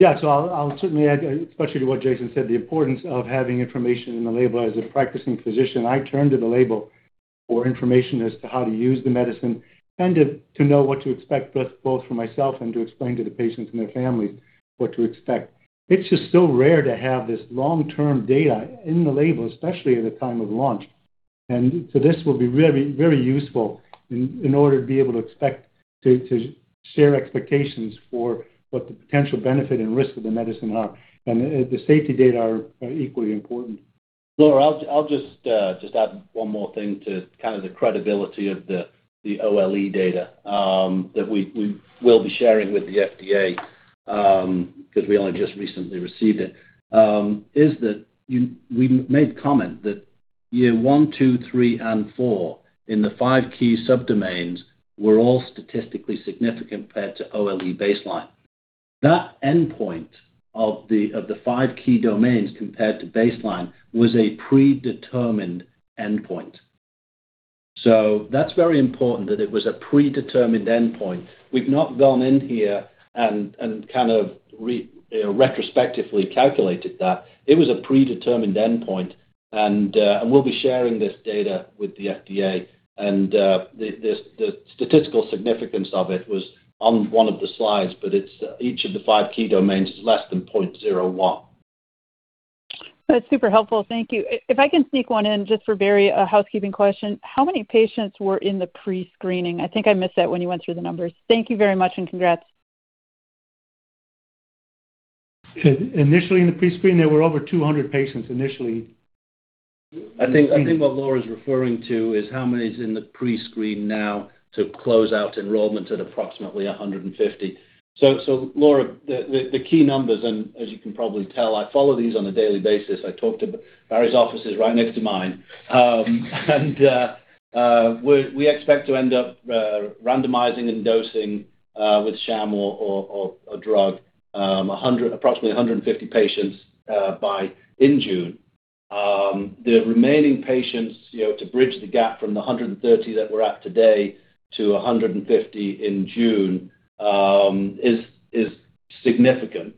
Yeah. I'll certainly add, especially to what Jason said, the importance of having information in the label. As a practicing physician, I turn to the label for information as to how to use the medicine and to know what to expect both for myself and to explain to the patients and their families what to expect. It's just so rare to have this long-term data in the label, especially at a time of launch. This will be very useful in order to be able to share expectations for what the potential benefit and risk of the medicine are. The safety data are equally important. Laura, I'll just add one more thing to kind of the credibility of the OLE data that we will be sharing with the FDA, cause we only just recently received it. Is that we made comment that year one, two, three, and four in the five key subdomains were all statistically significant compared to OLE baseline. That endpoint of the five key domains compared to baseline was a predetermined endpoint. That's very important that it was a predetermined endpoint. We've not gone in here and kind of retrospectively calculated that. It was a predetermined endpoint, and we'll be sharing this data with the FDA. The statistical significance of it was on one of the slides, but each of the five key domains is less than 0.01. That's super helpful. Thank you. If I can sneak one in just for Barry, a housekeeping question. How many patients were in the pre-screening? I think I missed that when you went through the numbers. Thank you very much, and congrats. Initially in the pre-screen, there were over 200 patients initially. I think what Laura's referring to is how many is in the pre-screen now to close out enrollment at approximately 150. Laura, the key numbers, and as you can probably tell, I follow these on a daily basis. I talk to Barry's office is right next to mine. We expect to end up randomizing and dosing with sham or drug, approximately 150 patients by in June. The remaining patients, you know, to bridge the gap from the 130 that we're at today to 150 in June, is significant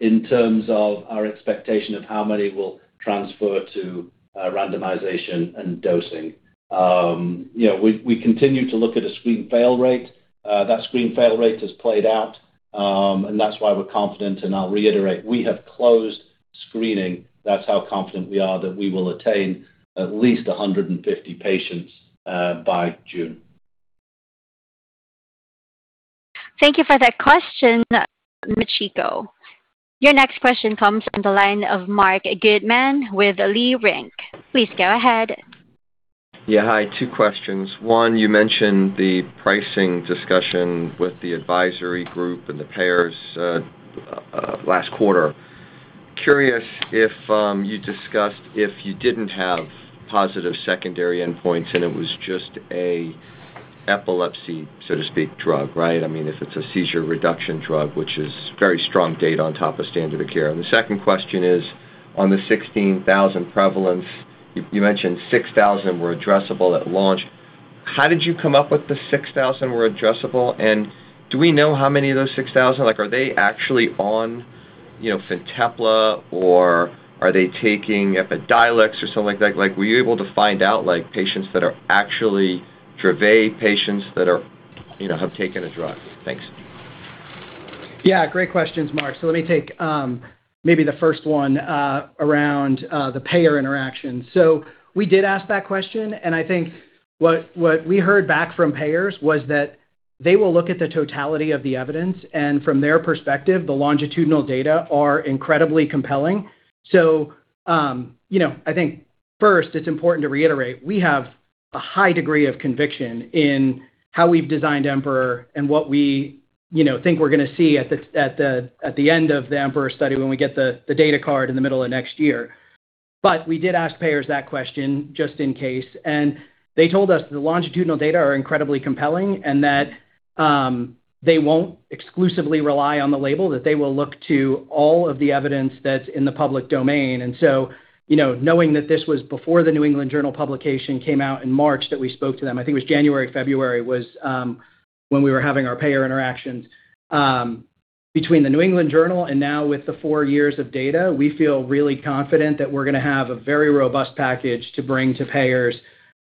in terms of our expectation of how many will transfer to randomization and dosing. You know, we continue to look at a screen fail rate. That screen fail rate has played out, and that's why we're confident to now reiterate. We have closed screening. That's how confident we are that we will attain at least 150 patients, by June. Thank you for that question, Laura Chico. Your next question comes from the line of Marc Goodman with Leerink Partners. Please go ahead. Yeah. Hi. Two questions. One, you mentioned the pricing discussion with the advisory group and the payers last quarter. Curious if you discussed if you didn't have positive secondary endpoints and it was just a epilepsy, so to speak, drug, right? I mean, if it's a seizure reduction drug, which is very strong data on top of standard of care. The second question is on the 16,000 prevalence. You mentioned 6,000 were addressable at launch. How did you come up with the 6,000 were addressable? Do we know how many of those 6,000, like, are they actually on, you know, FINTEPLA or are they taking EPIDIOLEX or something like that? Like, were you able to find out, like, patients that are actually Dravet patients that are, you know, have taken a drug? Thanks. Yeah, great questions, Marc. Let me take, maybe the first one, around the payer interaction. We did ask that question, and I think what we heard back from payers was that they will look at the totality of the evidence, and from their perspective, the longitudinal data are incredibly compelling. You know, I think first it's important to reiterate we have a high degree of conviction in how we've designed EMPEROR and what we, you know, think we're gonna see at the end of the EMPEROR study when we get the data card in the middle of next year. We did ask payers that question just in case, and they told us the longitudinal data are incredibly compelling and that they won't exclusively rely on the label, that they will look to all of the evidence that's in the public domain. You know, knowing that this was before the New England Journal publication came out in March that we spoke to them, I think it was January, February was when we were having our payer interactions. Between the New England Journal and now with the four years of data, we feel really confident that we're gonna have a very robust package to bring to payers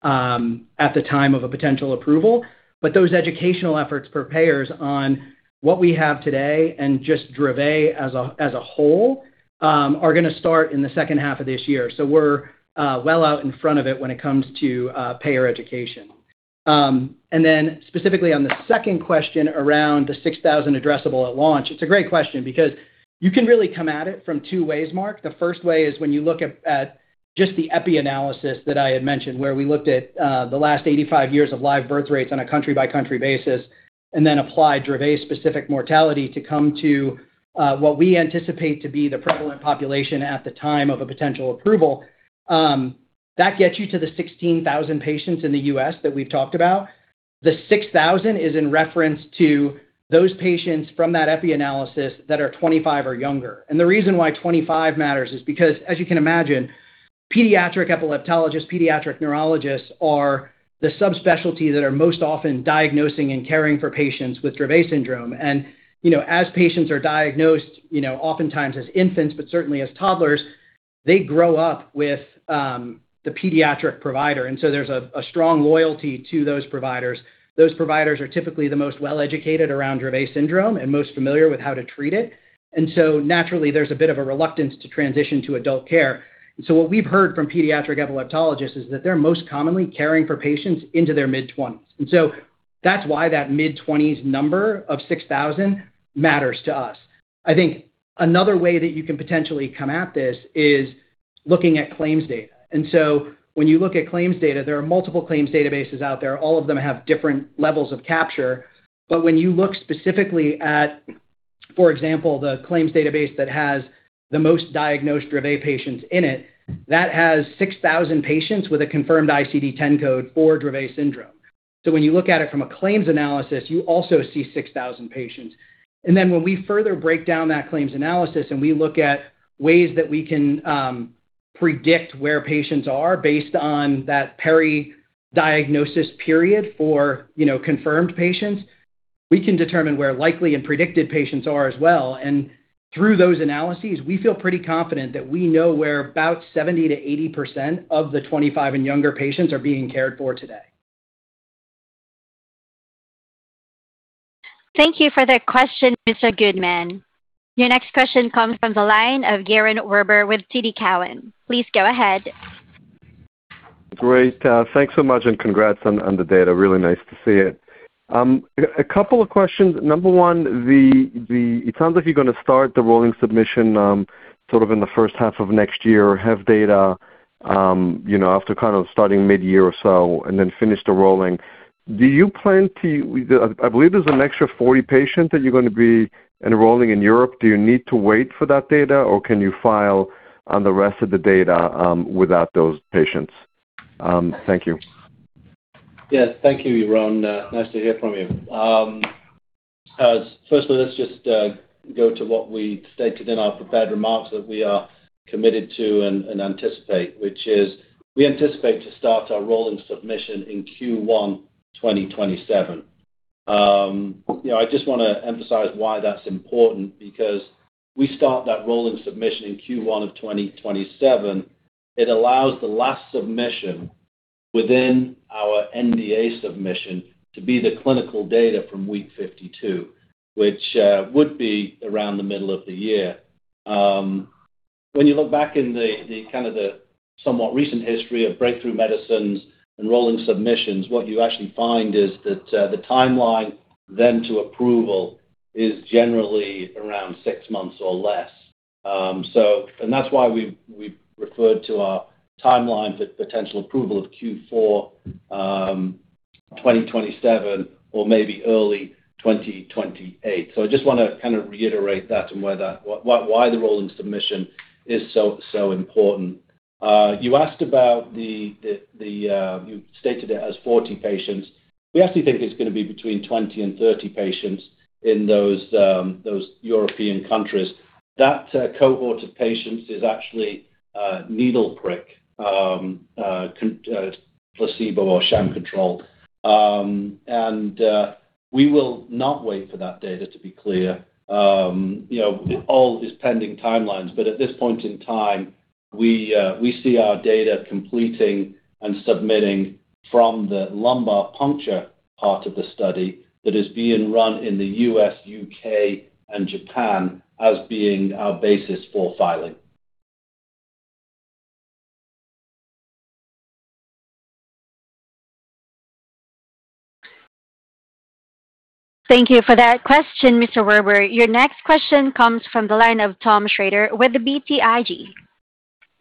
at the time of a potential approval. Those educational efforts for payers on what we have today and just Dravet as a, as a whole are gonna start in the second half of this year. We're well out in front of it when it comes to payer education. Specifically on the second question around the 6,000 addressable at launch. It's a great question because you can really come at it from two ways, Marc. The first way is when you look at just the epi analysis that I had mentioned, where we looked at the last 85 years of live birth rates on a country-by-country basis and then applied Dravet-specific mortality to come to what we anticipate to be the prevalent population at the time of a potential approval. That gets you to the 16,000 patients in the U.S. that we've talked about. The 6,000 is in reference to those patients from that epi analysis that are 25 or younger. The reason why 25 matters is because, as you can imagine, pediatric epileptologists, pediatric neurologists are the subspecialty that are most often diagnosing and caring for patients with Dravet syndrome. You know, as patients are diagnosed, you know, oftentimes as infants, but certainly as toddlers, they grow up with the pediatric provider. There's a strong loyalty to those providers. Those providers are typically the most well-educated around Dravet syndrome and most familiar with how to treat it. Naturally, there's a bit of a reluctance to transition to adult care. What we've heard from pediatric epileptologists is that they're most commonly caring for patients into their mid-20s. That's why that mid-20s number of 6,000 matters to us. I think another way that you can potentially come at this is looking at claims data. When you look at claims data, there are multiple claims databases out there. All of them have different levels of capture. When you look specifically at, for example, the claims database that has the most diagnosed Dravet patients in it, that has 6,000 patients with a confirmed ICD-10 code for Dravet syndrome. When you look at it from a claims analysis, you also see 6,000 patients. When we further break down that claims analysis and we look at ways that we can predict where patients are based on that peri-diagnosis period for, you know, confirmed patients, we can determine where likely and predicted patients are as well. Through those analyses, we feel pretty confident that we know where about 70%-80% of the 25 and younger patients are being cared for today. Thank you for that question, Mr. Goodman. Your next question comes from the line of Yaron Werber with TD Cowen. Please go ahead. Great. Thanks so much and congrats on the data. Really nice to see it. A couple of questions. Number one, it sounds like you're gonna start the rolling submission sort of in the first half of next year or have data, you know, after kind of starting mid-year or so and then finish the rolling. I believe there's an extra 40 patients that you're gonna be enrolling in Europe. Do you need to wait for that data, or can you file on the rest of the data without those patients? Thank you. Yeah. Thank you, Yaron. Nice to hear from you. Let's just go to what we stated in our prepared remarks that we are committed to and anticipate, which is we anticipate to start our rolling submission in Q1 2027. You know, I just wanna emphasize why that's important because if we start that rolling submission in Q1 of 2027, it allows the last submission within our NDA submission to be the clinical data from week 52, which would be around the middle of the year. When you look back in the kind of the somewhat recent history of breakthrough medicines and rolling submissions, what you actually find is that the timeline then to approval is generally around six months or less. That's why we've referred to our timeline for potential approval of Q4 2027 or maybe early 2028. I just wanna kind of reiterate that and why the rolling submission is so important. You asked about the, you stated it as 40 patients. We actually think it's gonna be between 20 and 30 patients in those European countries. That cohort of patients is actually needle prick placebo or sham controlled. We will not wait for that data to be clear. You know, all is pending timelines. At this point in time We see our data completing and submitting from the lumbar puncture part of the study that is being run in the U.S., U.K., and Japan as being our basis for filing. Thank you for that question, Mr. Werber. Your next question comes from the line of Tom Shrader with BTIG.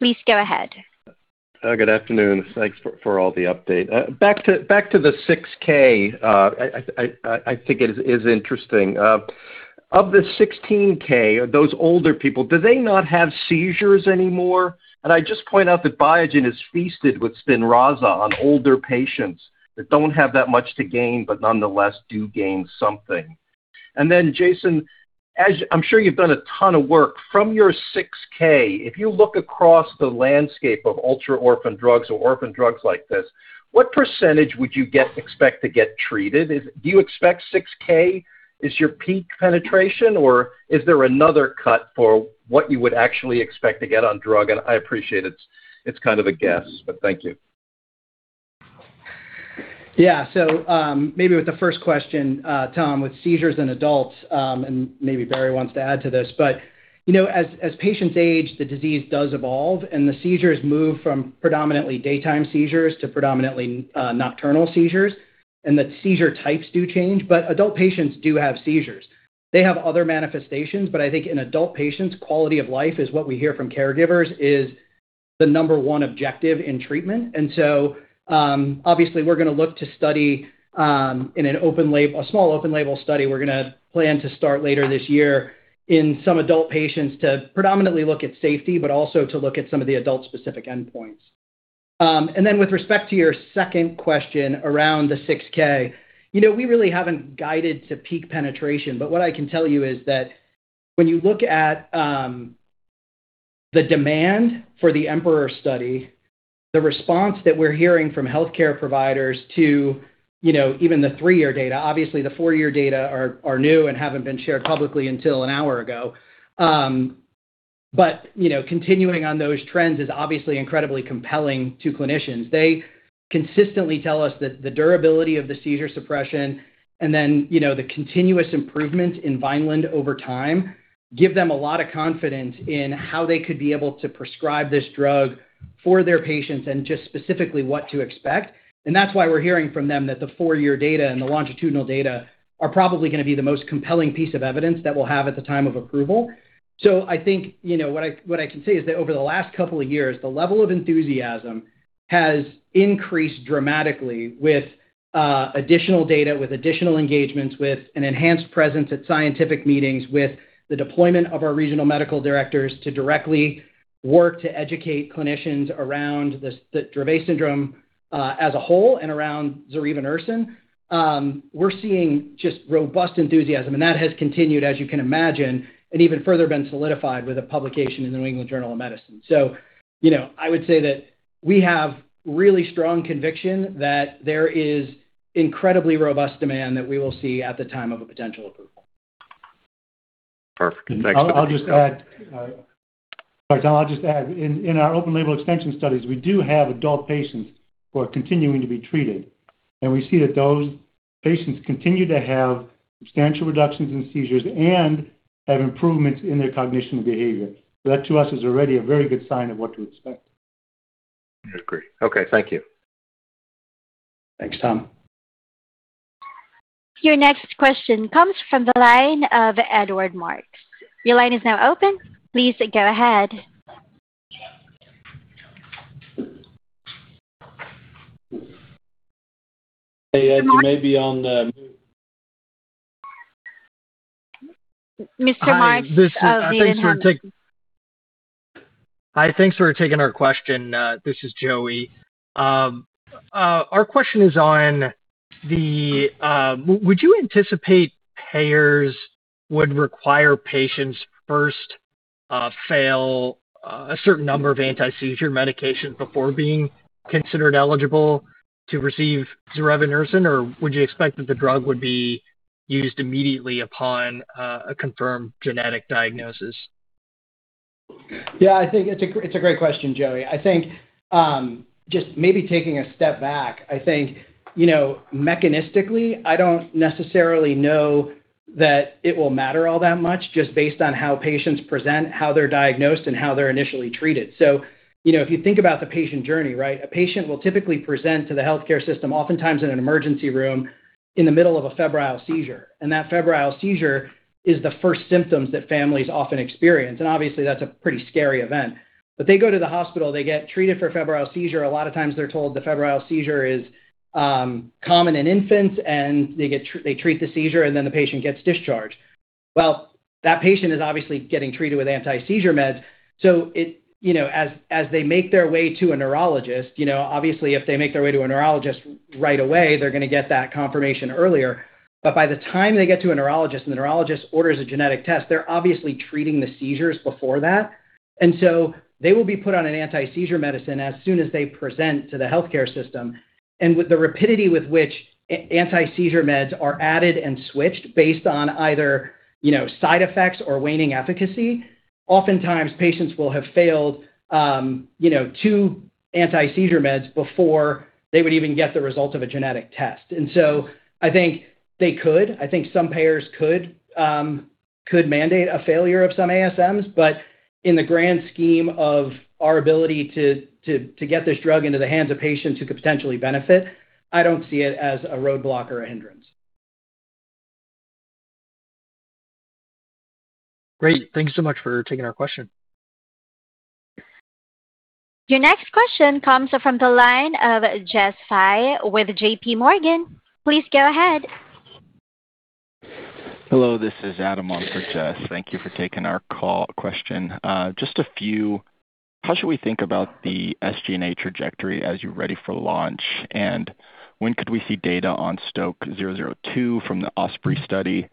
Please go ahead. Hi. Good afternoon. Thanks for all the update. back to the 6,000, I think it is interesting. Of the 16,000, those older people, do they not have seizures anymore? I just point out that Biogen has feasted with SPINRAZA on older patients that don't have that much to gain, but nonetheless do gain something. Jason, as I'm sure you've done a ton of work. From your 6,000, if you look across the landscape of ultra-orphan drugs or orphan drugs like this, what percentage would you expect to get treated? Do you expect 6,000 is your peak penetration, or is there another cut for what you would actually expect to get on drug? I appreciate it's kind of a guess, but thank you. Maybe with the first question, Tom, with seizures in adults, and maybe Barry wants to add to this. you know, as patients age, the disease does evolve, and the seizures move from predominantly daytime seizures to predominantly nocturnal seizures, and the seizure types do change. Adult patients do have seizures. They have other manifestations, but I think in adult patients, quality of life is what we hear from caregivers is the number one objective in treatment. obviously we're gonna look to study in a small open-label study we're gonna plan to start later this year in some adult patients to predominantly look at safety, but also to look at some of the adult-specific endpoints. With respect to your second question around the 6,000, you know, we really haven't guided to peak penetration, but what I can tell you is that when you look at the demand for the EMPEROR study, the response that we're hearing from healthcare providers to, you know, even the three-year data. Obviously, the four-year data are new and haven't been shared publicly until an hour ago. But, you know, continuing on those trends is obviously incredibly compelling to clinicians. They consistently tell us that the durability of the seizure suppression and then, you know, the continuous improvement in Vineland over time give them a lot of confidence in how they could be able to prescribe this drug for their patients and just specifically what to expect. That's why we're hearing from them that the four-year data and the longitudinal data are probably gonna be the most compelling piece of evidence that we'll have at the time of approval. I think, you know, what I can say is that over the last couple of years, the level of enthusiasm has increased dramatically with additional data, with additional engagements, with an enhanced presence at scientific meetings, with the deployment of our regional medical directors to directly work to educate clinicians around this, the Dravet syndrome as a whole and around zorevunersen. we're seeing just robust enthusiasm, and that has continued, as you can imagine, and even further been solidified with a publication in The New England Journal of Medicine. You know, I would say that we have really strong conviction that there is incredibly robust demand that we will see at the time of a potential approval. Perfect. Thanks. I'll just add. Sorry, Tom, I'll just add. In our open-label extension studies, we do have adult patients who are continuing to be treated, and we see that those patients continue to have substantial reductions in seizures and have improvements in their cognition and behavior. That to us is already a very good sign of what to expect. I agree. Okay, thank you. Thanks, Tom. Your next question comes from the line of Edward Marks. Your line is now open. Please go ahead. Hey, Ed, you may be on mute. Mr. Marks of the Needham. Hi, thanks for taking our question. This is Joey. Would you anticipate payers would require patients first fail a certain number of anti-seizure medications before being considered eligible to receive zorevunersen? Would you expect that the drug would be used immediately upon a confirmed genetic diagnosis? Yeah, I think it's a great question, Joey. I think, just maybe taking a step back, I think, you know, mechanistically, I don't necessarily know that it will matter all that much just based on how patients present, how they're diagnosed, and how they're initially treated. you know, if you think about the patient journey, right? A patient will typically present to the healthcare system, oftentimes in an emergency room, in the middle of a febrile seizure. that febrile seizure is the first symptoms that families often experience. obviously, that's a pretty scary event. they go to the hospital, they get treated for febrile seizure. A lot of times they're told the febrile seizure is common in infants, and they treat the seizure, and then the patient gets discharged. Well, that patient is obviously getting treated with anti-seizure meds. It, you know, as they make their way to a neurologist, you know, obviously, if they make their way to a neurologist right away, they're gonna get that confirmation earlier. By the time they get to a neurologist and the neurologist orders a genetic test, they're obviously treating the seizures before that. They will be put on an anti-seizure medicine as soon as they present to the healthcare system. With the rapidity with which anti-seizure meds are added and switched based on either, you know, side effects or waning efficacy, oftentimes patients will have failed, you know, two anti-seizure meds before they would even get the result of a genetic test. I think they could. I think some payers could mandate a failure of some ASMs. In the grand scheme of our ability to get this drug into the hands of patients who could potentially benefit, I don't see it as a roadblock or a hindrance. Great. Thank you so much for taking our question. Your next question comes from the line of Jessica Fye with JPMorgan. Please go ahead. Hello, this is Adam on for Jess. Thank you for taking our call. Question. Just a few. How should we think about the SG&A trajectory as you're ready for launch? When could we see data on STK-002 from the OSPREY study?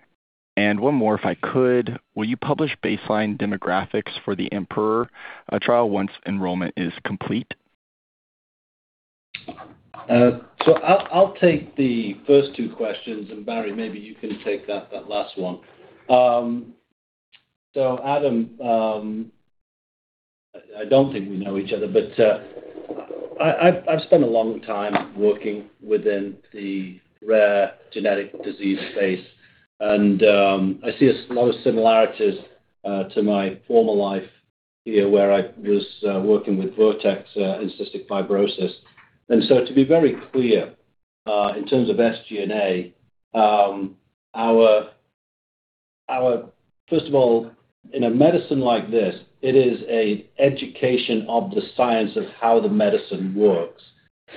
One more, if I could. Will you publish baseline demographics for the EMPEROR trial once enrollment is complete? I'll take the first two questions, and Barry, maybe you can take that last one. Adam, I don't think we know each other, but I've spent a long time working within the rare genetic disease space. I see a lot of similarities to my former life here where I was working with Vertex in cystic fibrosis. To be very clear, in terms of SG&A, our first of all, in a medicine like this, it is an education of the science of how the medicine works.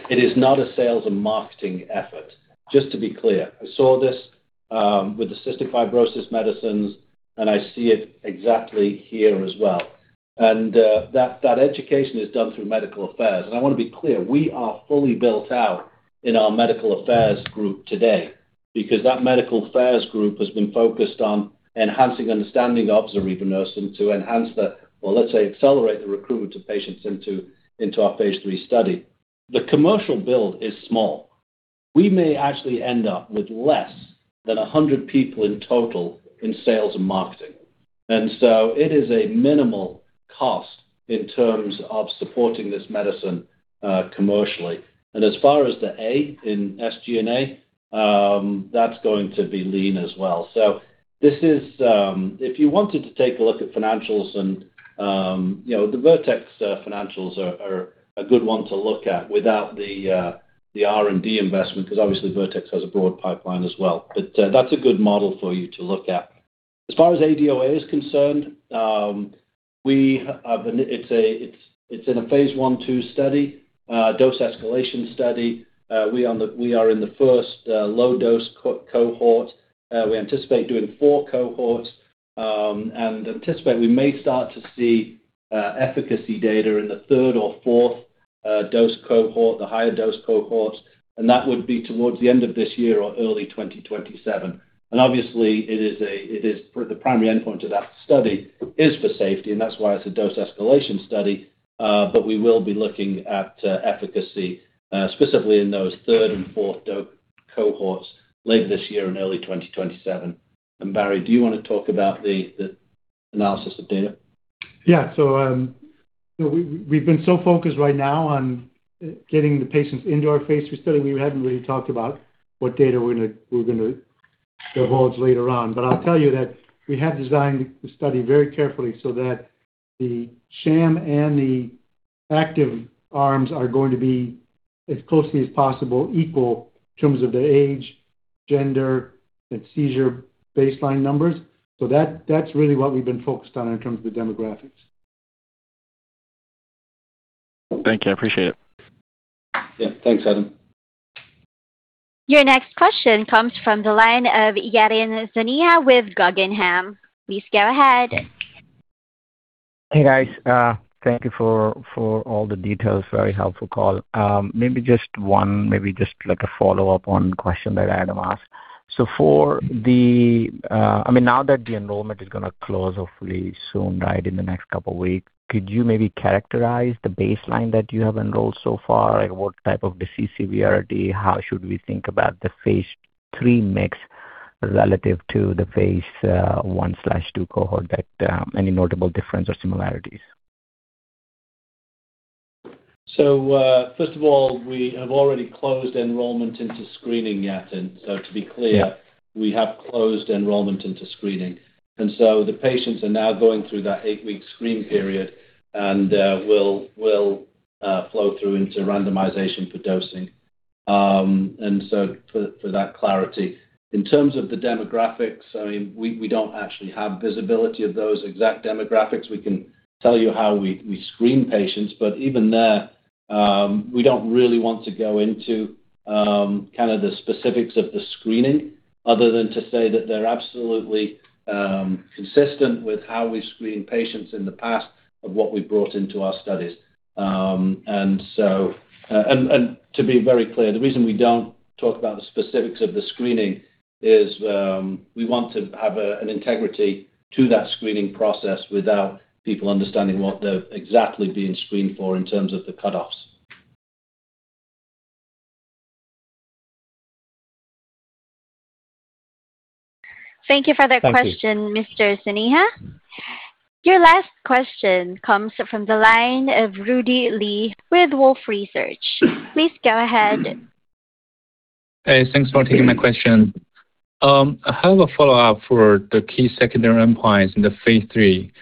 It is not a sales and marketing effort, just to be clear. I saw this with the cystic fibrosis medicines, and I see it exactly here as well. That education is done through medical affairs. I wanna be clear, we are fully built out in our medical affairs group today because that medical affairs group has been focused on enhancing understanding of zorevunersen to enhance the well, let's say accelerate the recruitment of patients into our phase III study. The commercial build is small. We may actually end up with less than 100 people in total in sales and marketing. It is a minimal cost in terms of supporting this medicine commercially. As far as the A in SG&A, that's going to be lean as well. This is, if you wanted to take a look at financials and, you know, the Vertex financials are a good one to look at without the R&D investment because obviously Vertex has a broad pipeline as well. That's a good model for you to look at. As far as ADOA is concerned, it's in a phase I/II dose escalation study. We are in the first low-dose cohort. We anticipate doing four cohorts and anticipate we may start to see efficacy data in the third or fourth dose cohort, the higher dose cohorts, and that would be towards the end of this year or early 2027. Obviously, the primary endpoint of that study is for safety, and that's why it's a dose escalation study. We will be looking at efficacy specifically in those third and fourth cohorts later this year and early 2027. Barry, do you wanna talk about the analysis of data? We've been so focused right now on getting the patients into our phase III study. We hadn't really talked about what data we're gonna divulge later on. I'll tell you that we have designed the study very carefully so that the sham and the active arms are going to be as closely as possible equal in terms of their age, gender, and seizure baseline numbers. That's really what we've been focused on in terms of the demographics. Thank you. I appreciate it. Yeah. Thanks, Adam. Your next question comes from the line of Yatin Suneja with Guggenheim. Please go ahead. Hey, guys. Thank you for all the details. Very helpful call. Maybe just like a follow-up on question that Adam asked. For the I mean now that the enrollment is gonna close hopefully soon, right, in the next couple weeks, could you maybe characterize the baseline that you have enrolled so far? Like, what type of the disease severity? How should we think about the phase III mix relative to the phase I/II cohort that any notable difference or similarities? First of all, we have already closed enrollment into screening, Yatin. To be clear, we have closed enrollment into screening. The patients are now going through that eight-week screen period and will flow through into randomization for dosing. For that clarity. In terms of the demographics, I mean, we don't actually have visibility of those exact demographics. We can tell you how we screen patients, but even there, we don't really want to go into kind of the specifics of the screening other than to say that they're absolutely consistent with how we've screened patients in the past of what we've brought into our studies. To be very clear, the reason we don't talk about the specifics of the screening is, we want to have an integrity to that screening process without people understanding what they're exactly being screened for in terms of the cutoffs. Thank you for that question. Thank you. Mr. Suneja. Your last question comes from the line of Rudy Li with Wolfe Research. Please go ahead. Hey, thanks for taking my question. I have a follow-up for the key secondary endpoints in the phase III.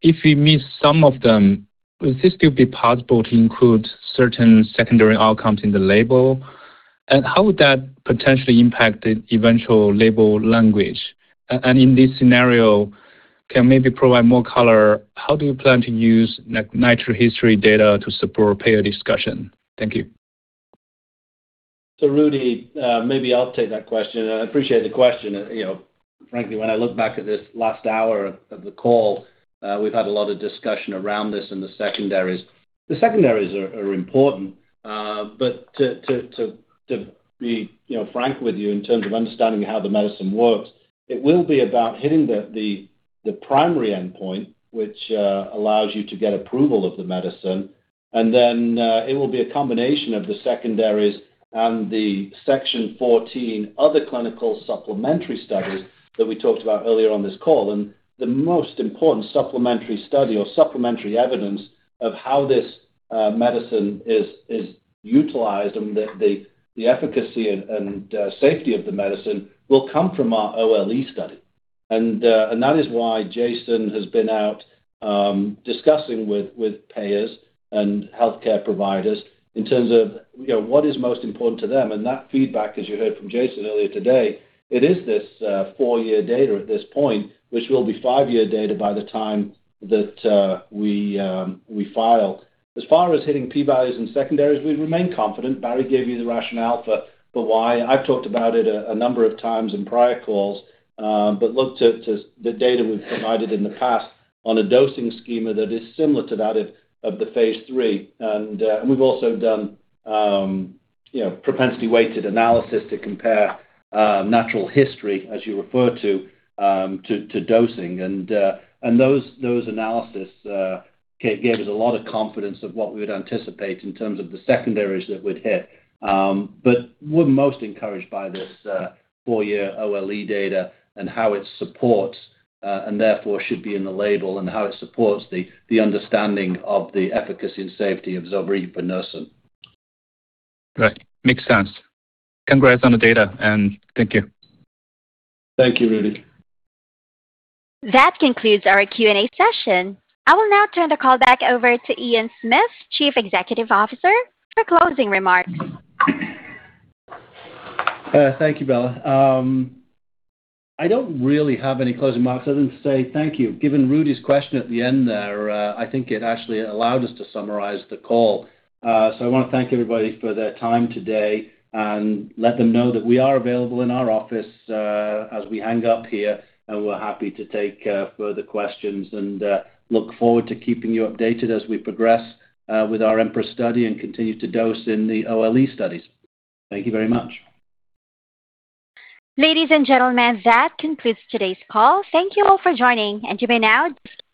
If you miss some of them, would this still be possible to include certain secondary outcomes in the label? How would that potentially impact the eventual label language? In this scenario, can maybe provide more color, how do you plan to use natural history data to support payer discussion? Thank you. Rudy, maybe I'll take that question. I appreciate the question. You know, frankly, when I look back at this last hour of the call, we've had a lot of discussion around this and the secondaries. The secondaries are important, but to be, you know, frank with you in terms of understanding how the medicine works, it will be about hitting the primary endpoint, which allows you to get approval of the medicine. It will be a combination of the secondaries and the section 14 other clinical supplementary studies that we talked about earlier on this call. The most important supplementary study or supplementary evidence of how this medicine is utilized and the efficacy and safety of the medicine will come from our OLE study. That is why Jason has been out discussing with payers and healthcare providers in terms of, you know, what is most important to them. That feedback, as you heard from Jason earlier today, it is this four-year data at this point, which will be five-year data by the time that we file. As far as hitting P-values and secondaries, we remain confident. Barry gave you the rationale for why. I've talked about it a number of times in prior calls. Look to the data we've provided in the past on a dosing schema that is similar to that of the phase III. We've also done, you know, propensity-weighted analysis to compare natural history, as you refer to dosing. Those analysis gave us a lot of confidence of what we would anticipate in terms of the secondaries that we'd hit. We're most encouraged by this four-year OLE data and how it supports and therefore should be in the label and how it supports the understanding of the efficacy and safety of zorevunersen. Right. Makes sense. Congrats on the data, and thank you. Thank you, Rudy. That concludes our Q&A session. I will now turn the call back over to Ian Smith, Chief Executive Officer, for closing remarks. Thank you, Bella. I don't really have any closing remarks other than to say thank you. Given Rudy's question at the end there, I think it actually allowed us to summarize the call. I wanna thank everybody for their time today and let them know that we are available in our office, as we hang up here, and we're happy to take further questions and look forward to keeping you updated as we progress with our EMPEROR study and continue to dose in the OLE studies. Thank you very much. Ladies and gentlemen, that concludes today's call. Thank you all for joining. You may now disconnect.